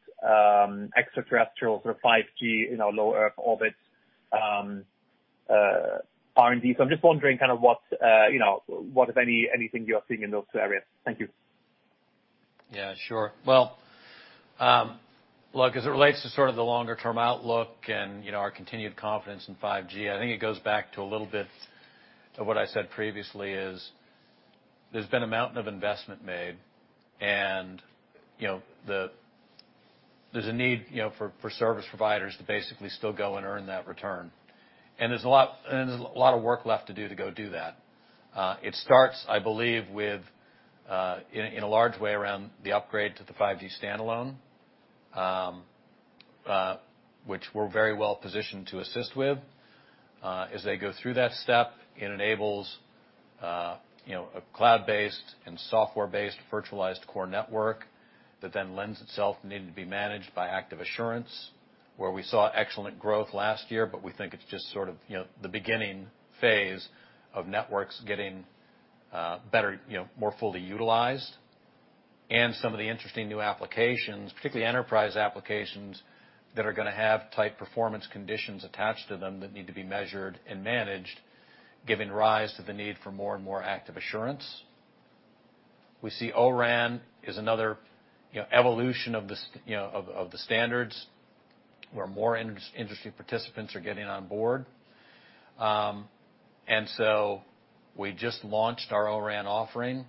extraterrestrial sort of 5G, you know, low earth orbit, R&D. I'm just wondering kind of what, you know, what if any, anything you are seeing in those two areas? Thank you. Yeah, sure. Well, look, as it relates to sort of the longer-term outlook and, you know, our continued confidence in 5G, I think it goes back to a little bit of what I said previously is there's been a mountain of investment made and, you know, there's a need, you know, for service providers to basically still go and earn that return. There's a lot of work left to do to go do that. It starts, I believe, with in a large way around the upgrade to the 5G Standalone, which we're very well positioned to assist with. As they go through that step it enables, you know, a cloud-based and software-based virtualized core network that lends itself needing to be managed by Active Assurance, where we saw excellent growth last year, we think it's just sort of, you know, the beginning phase of networks getting better, you know, more fully utilized. Some of the interesting new applications, particularly enterprise applications that are gonna have tight performance conditions attached to them that need to be measured and managed, giving rise to the need for more and more Active Assurance. We see O-RAN is another, you know, evolution of the standards, where more industry participants are getting on board. We just launched our O-RAN offering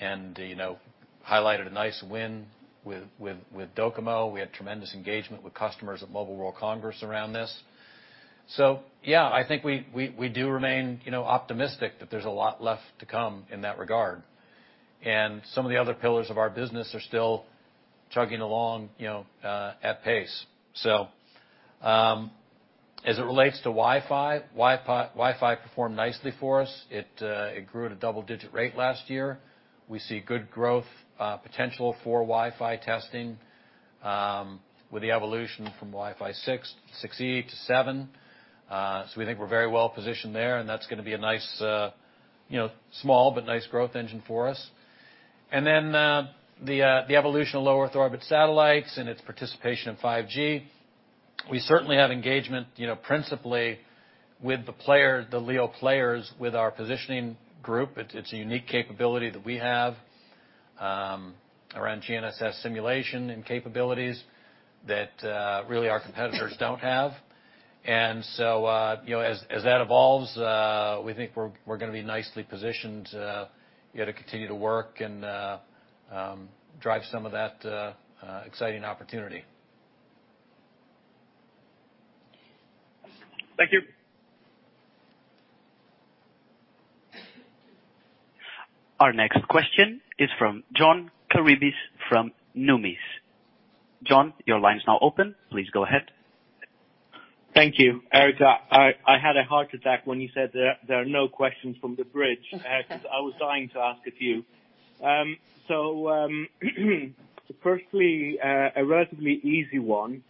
and, you know, highlighted a nice win with DOCOMO. We had tremendous engagement with customers at Mobile World Congress around this. Yeah, I think we do remain, you know, optimistic that there's a lot left to come in that regard. Some of the other pillars of our business are still chugging along, you know, at pace. As it relates to Wi-Fi, Wi-Fi performed nicely for us. It grew at a double-digit rate last year. We see good growth potential for Wi-Fi testing with the evolution from Wi-Fi 6, 6E to 7. We think we're very well positioned there, and that's gonna be a nice, you know, small but nice growth engine for us. The evolution of low earth orbit satellites and its participation in 5G, we certainly have engagement, you know, principally with the player, the LEO players with our positioning group. It's, it's a unique capability that we have around GNSS simulation and capabilities that really our competitors don't have. You know, as that evolves, we think we're gonna be nicely positioned, you know, to continue to work and drive some of that exciting opportunity. Thank you. Our next question is from John Karidis from Numis. John, your line is now open. Please go ahead. Thank you, Eric. I had a heart attack when you said there are no questions from the bridge. 'Cause I was dying to ask a few. Firstly, a relatively easy one.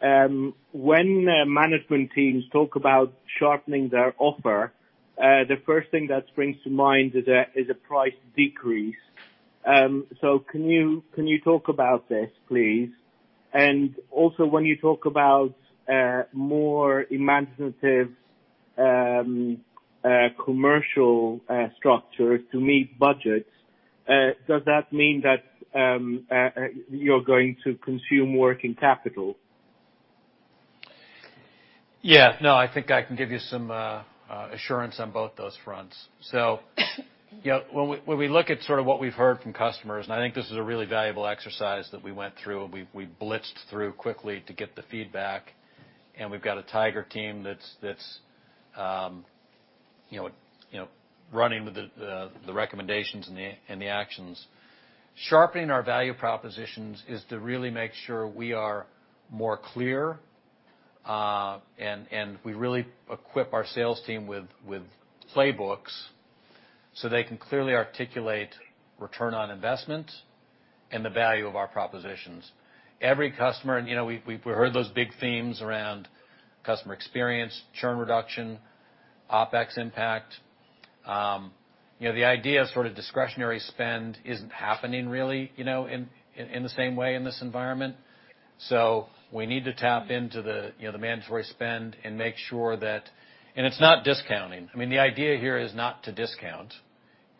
When management teams talk about sharpening their offer, the first thing that springs to mind is a price decrease. Can you talk about this please? Also, when you talk about more imaginative commercial structures to meet budgets, does that mean that you're going to consume working capital? Yeah. No, I think I can give you some assurance on both those fronts. When we look at sort of what we've heard from customers, and I think this is a really valuable exercise that we went through, and we blitzed through quickly to get the feedback, and we've got a tiger team that's running with the recommendations and the actions. Sharpening our value propositions is to really make sure we are more clear, and we really equip our sales team with playbooks so they can clearly articulate return on investment and the value of our propositions. Every customer, we've heard those big themes around customer experience, churn reduction, OpEx impact. You know, the idea of sort of discretionary spend isn't happening really, you know, in the same way in this environment. We need to tap into the, you know, the mandatory spend and make sure that. It's not discounting. I mean, the idea here is not to discount.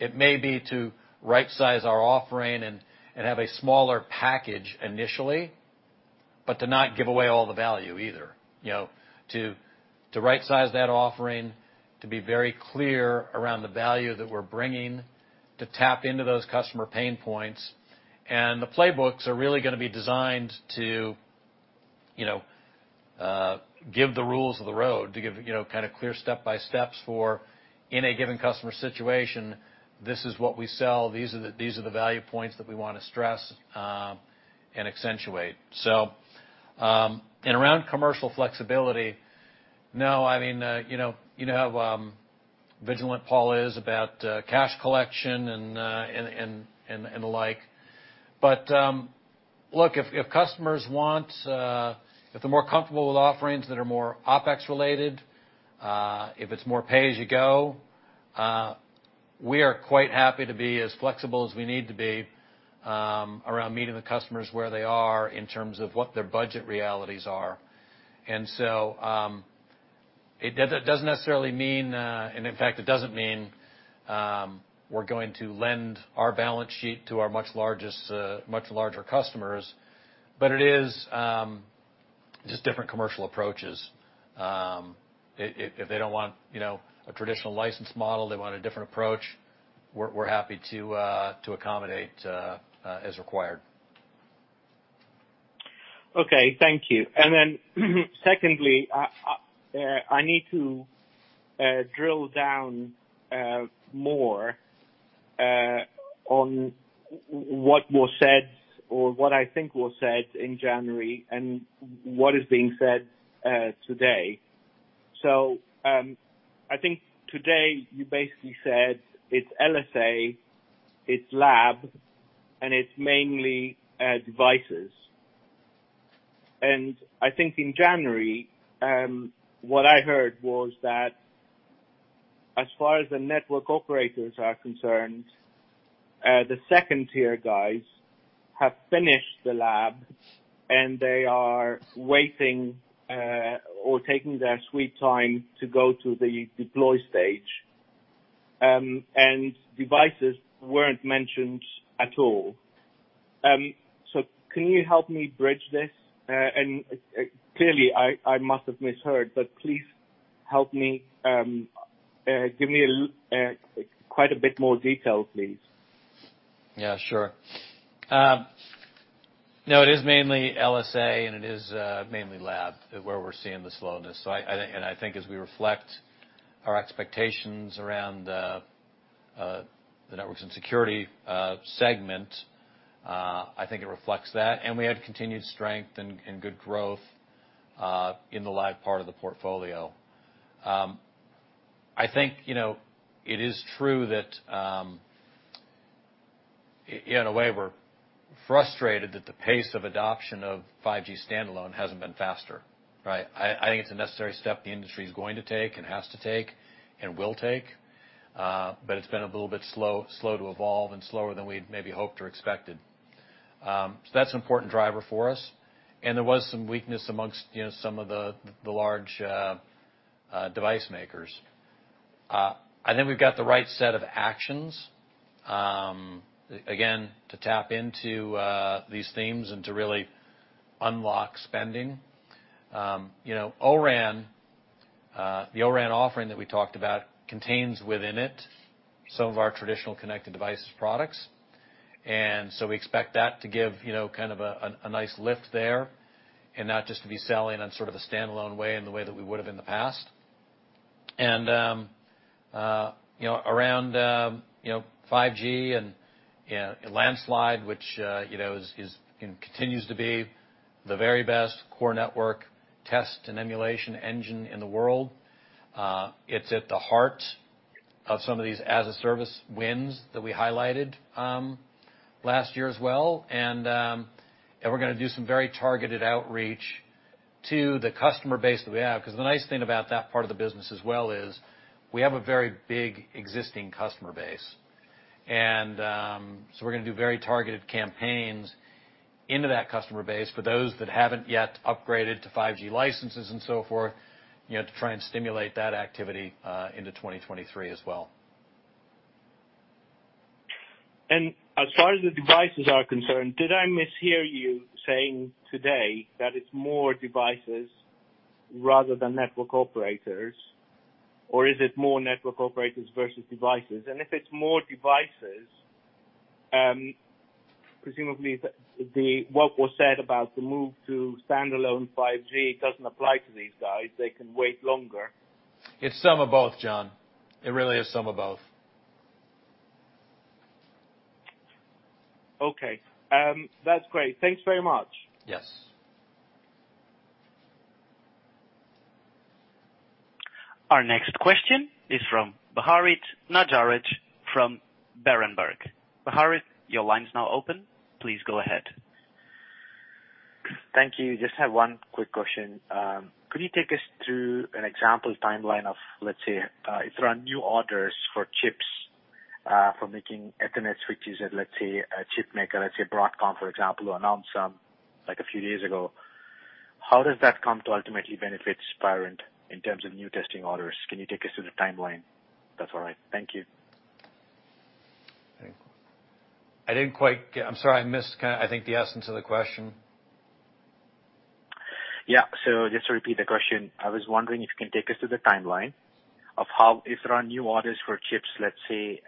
It may be to rightsize our offering and have a smaller package initially, but to not give away all the value either. You know, to rightsize that offering, to be very clear around the value that we're bringing, to tap into those customer pain points. The playbooks are really gonna be designed to, you know, give the rules of the road, to give, you know, kind of clear step-by-steps for, in a given customer situation, this is what we sell, these are the value points that we wanna stress and accentuate. Around commercial flexibility, no, I mean, you know, you know how vigilant Paula is about cash collection and, and the like. Look, if customers want, if they're more comfortable with offerings that are more OpEx related, if it's more pay-as-you-go, we are quite happy to be as flexible as we need to be around meeting the customers where they are in terms of what their budget realities are. It doesn't necessarily mean, and in fact, it doesn't mean, we're going to lend our balance sheet to our much larger customers, but it is, just different commercial approaches. If they don't want, you know, a traditional license model, they want a different approach, we're happy to accommodate, as required. Okay. Thank you. Secondly, I need to drill down more on what was said or what I think was said in January and what is being said today. I think today you basically said it's LSA, it's lab, and it's mainly devices. I think in January, what I heard was that as far as the network operators are concerned, the second-tier guys have finished the lab, and they are waiting or taking their sweet time to go to the deploy stage, and devices weren't mentioned at all. Can you help me bridge this? Clearly, I must have misheard, but please help me. Give me quite a bit more detail, please? Yeah, sure. No, it is mainly LSA, and it is mainly lab where we're seeing the slowness. I think as we reflect our expectations around the Networks & Security segment, I think it reflects that, and we had continued strength and good growth in the live part of the portfolio. I think, you know, it is true that in a way, we're frustrated that the pace of adoption of 5G Standalone hasn't been faster, right? I think it's a necessary step the industry is going to take and has to take and will take, but it's been a little bit slow to evolve and slower than we'd maybe hoped or expected. That's an important driver for us, and there was some weakness amongst, you know, some of the large device makers. I think we've got the right set of actions again, to tap into these themes and to really unlock spending. You know, O-RAN, the O-RAN offering that we talked about contains within it some of our traditional Connected Devices products. We expect that to give, you know, kind of a nice lift there and not just to be selling on sort of a standalone way and the way that we would have in the past. You know, around, you know, 5G and, you know, Landslide, which, you know, is, you know, continues to be the very best core network test and emulation engine in the world. It's at the heart of some of these as-a-service wins that we highlighted last year as well. We're gonna do some very targeted outreach to the customer base that we have 'cause the nice thing about that part of the business as well is we have a very big existing customer base. We're gonna do very targeted campaigns into that customer base for those that haven't yet upgraded to 5G licenses and so forth, you know, to try and stimulate that activity into 2023 as well. As far as the devices are concerned, did I mishear you saying today that it's more devices rather than network operators? Is it more network operators versus devices? If it's more devices, presumably the what was said about the move to standalone 5G doesn't apply to these guys. They can wait longer? It's some of both, John. It really is some of both. Okay. That's great. Thanks very much. Yes. Our next question is from Bharath Nagaraj from Berenberg. Bharath, your line is now open. Please go ahead. Thank you. Just have one quick question. Could you take us through an example timeline of, let's say, if there are new orders for chips, for making Ethernet switches at, let's say, a chip maker, let's say Broadcom, for example, announced some, like, a few years ago? How does that come to ultimately benefit Spirent in terms of new testing orders? Can you take us through the timeline? That's all right. Thank you. I didn't quite get. I'm sorry I missed kind of, I think, the essence of the question. Just to repeat the question, I was wondering if you can take us through the timeline of how if there are new orders for chips, let's say,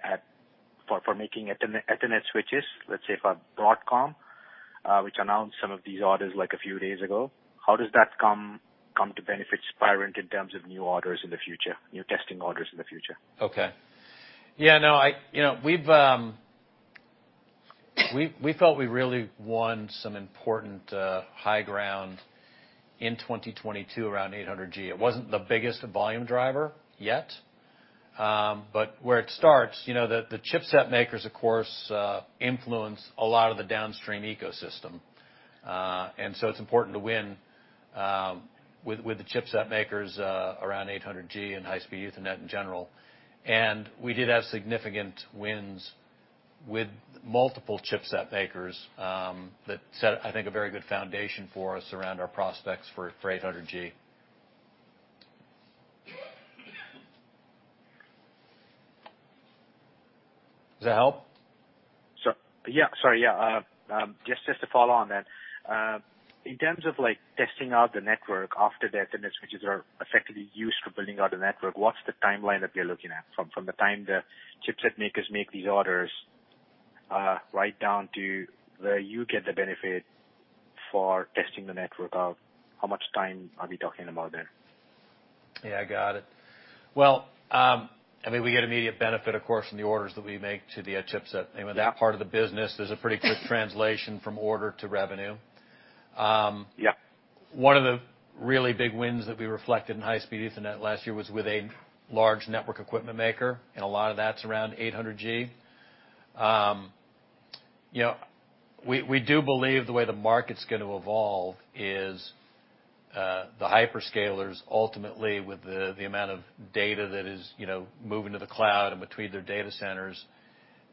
for making Ethernet switches, let's say, for Broadcom, which announced some of these orders, like, a few days ago. How does that come to benefit Spirent in terms of new orders in the future, new testing orders in the future? Okay. Yeah, no, You know, we've, we felt we really won some important high ground in 2022 around 800G. It wasn't the biggest volume driver yet, where it starts, you know, the chipset makers, of course, influence a lot of the downstream ecosystem. It's important to win with the chipset makers around 800G and high-speed Ethernet in general. We did have significant wins with multiple chipset makers that set, I think, a very good foundation for us around our prospects for 800G. Does that help? Sure. Yeah. Sorry, yeah. Just to follow on. In terms of, like, testing out the network after the Ethernet switches are effectively used for building out a network, what's the timeline that you're looking at, from the time the chipset makers make these orders, right down to where you get the benefit for testing the network out? How much time are we talking about there? Yeah, I got it. Well, I mean, we get immediate benefit, of course, from the orders that we make to the chipset. I mean, that part of the business, there's a pretty quick translation from order to revenue. Yeah. One of the really big wins that we reflected in high-speed Ethernet last year was with a large network equipment maker, and a lot of that's around 800G. You know, we do believe the way the market's gonna evolve is, the hyperscalers ultimately with the amount of data that is, you know, moving to the cloud and between their data centers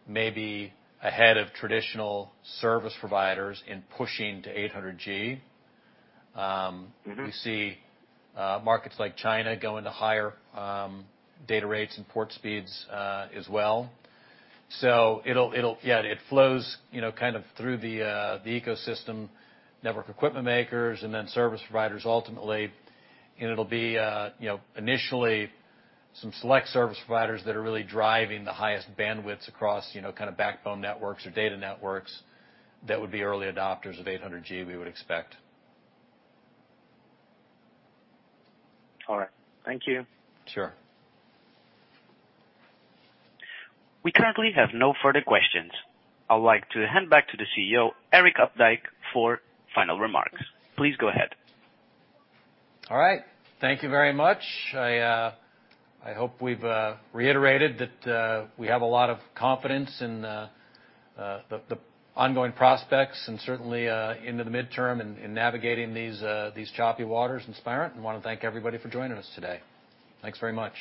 may be ahead of traditional service providers in pushing to 800G. Mm-hmm. We see markets like China going to higher data rates and port speeds as well. Yeah, it flows, you know, kind of through the ecosystem network equipment makers and then service providers ultimately. it'll be, you know, initially some select service providers that are really driving the highest bandwidths across, you know, kind of backbone networks or data networks that would be early adopters of 800G, we would expect. All right. Thank you. Sure. We currently have no further questions. I'd like to hand back to the CEO, Eric Updyke, for final remarks. Please go ahead. All right. Thank you very much. I hope we've reiterated that we have a lot of confidence in the ongoing prospects and certainly into the midterm in navigating these choppy waters in Spirent. Wanna thank everybody for joining us today. Thanks very much.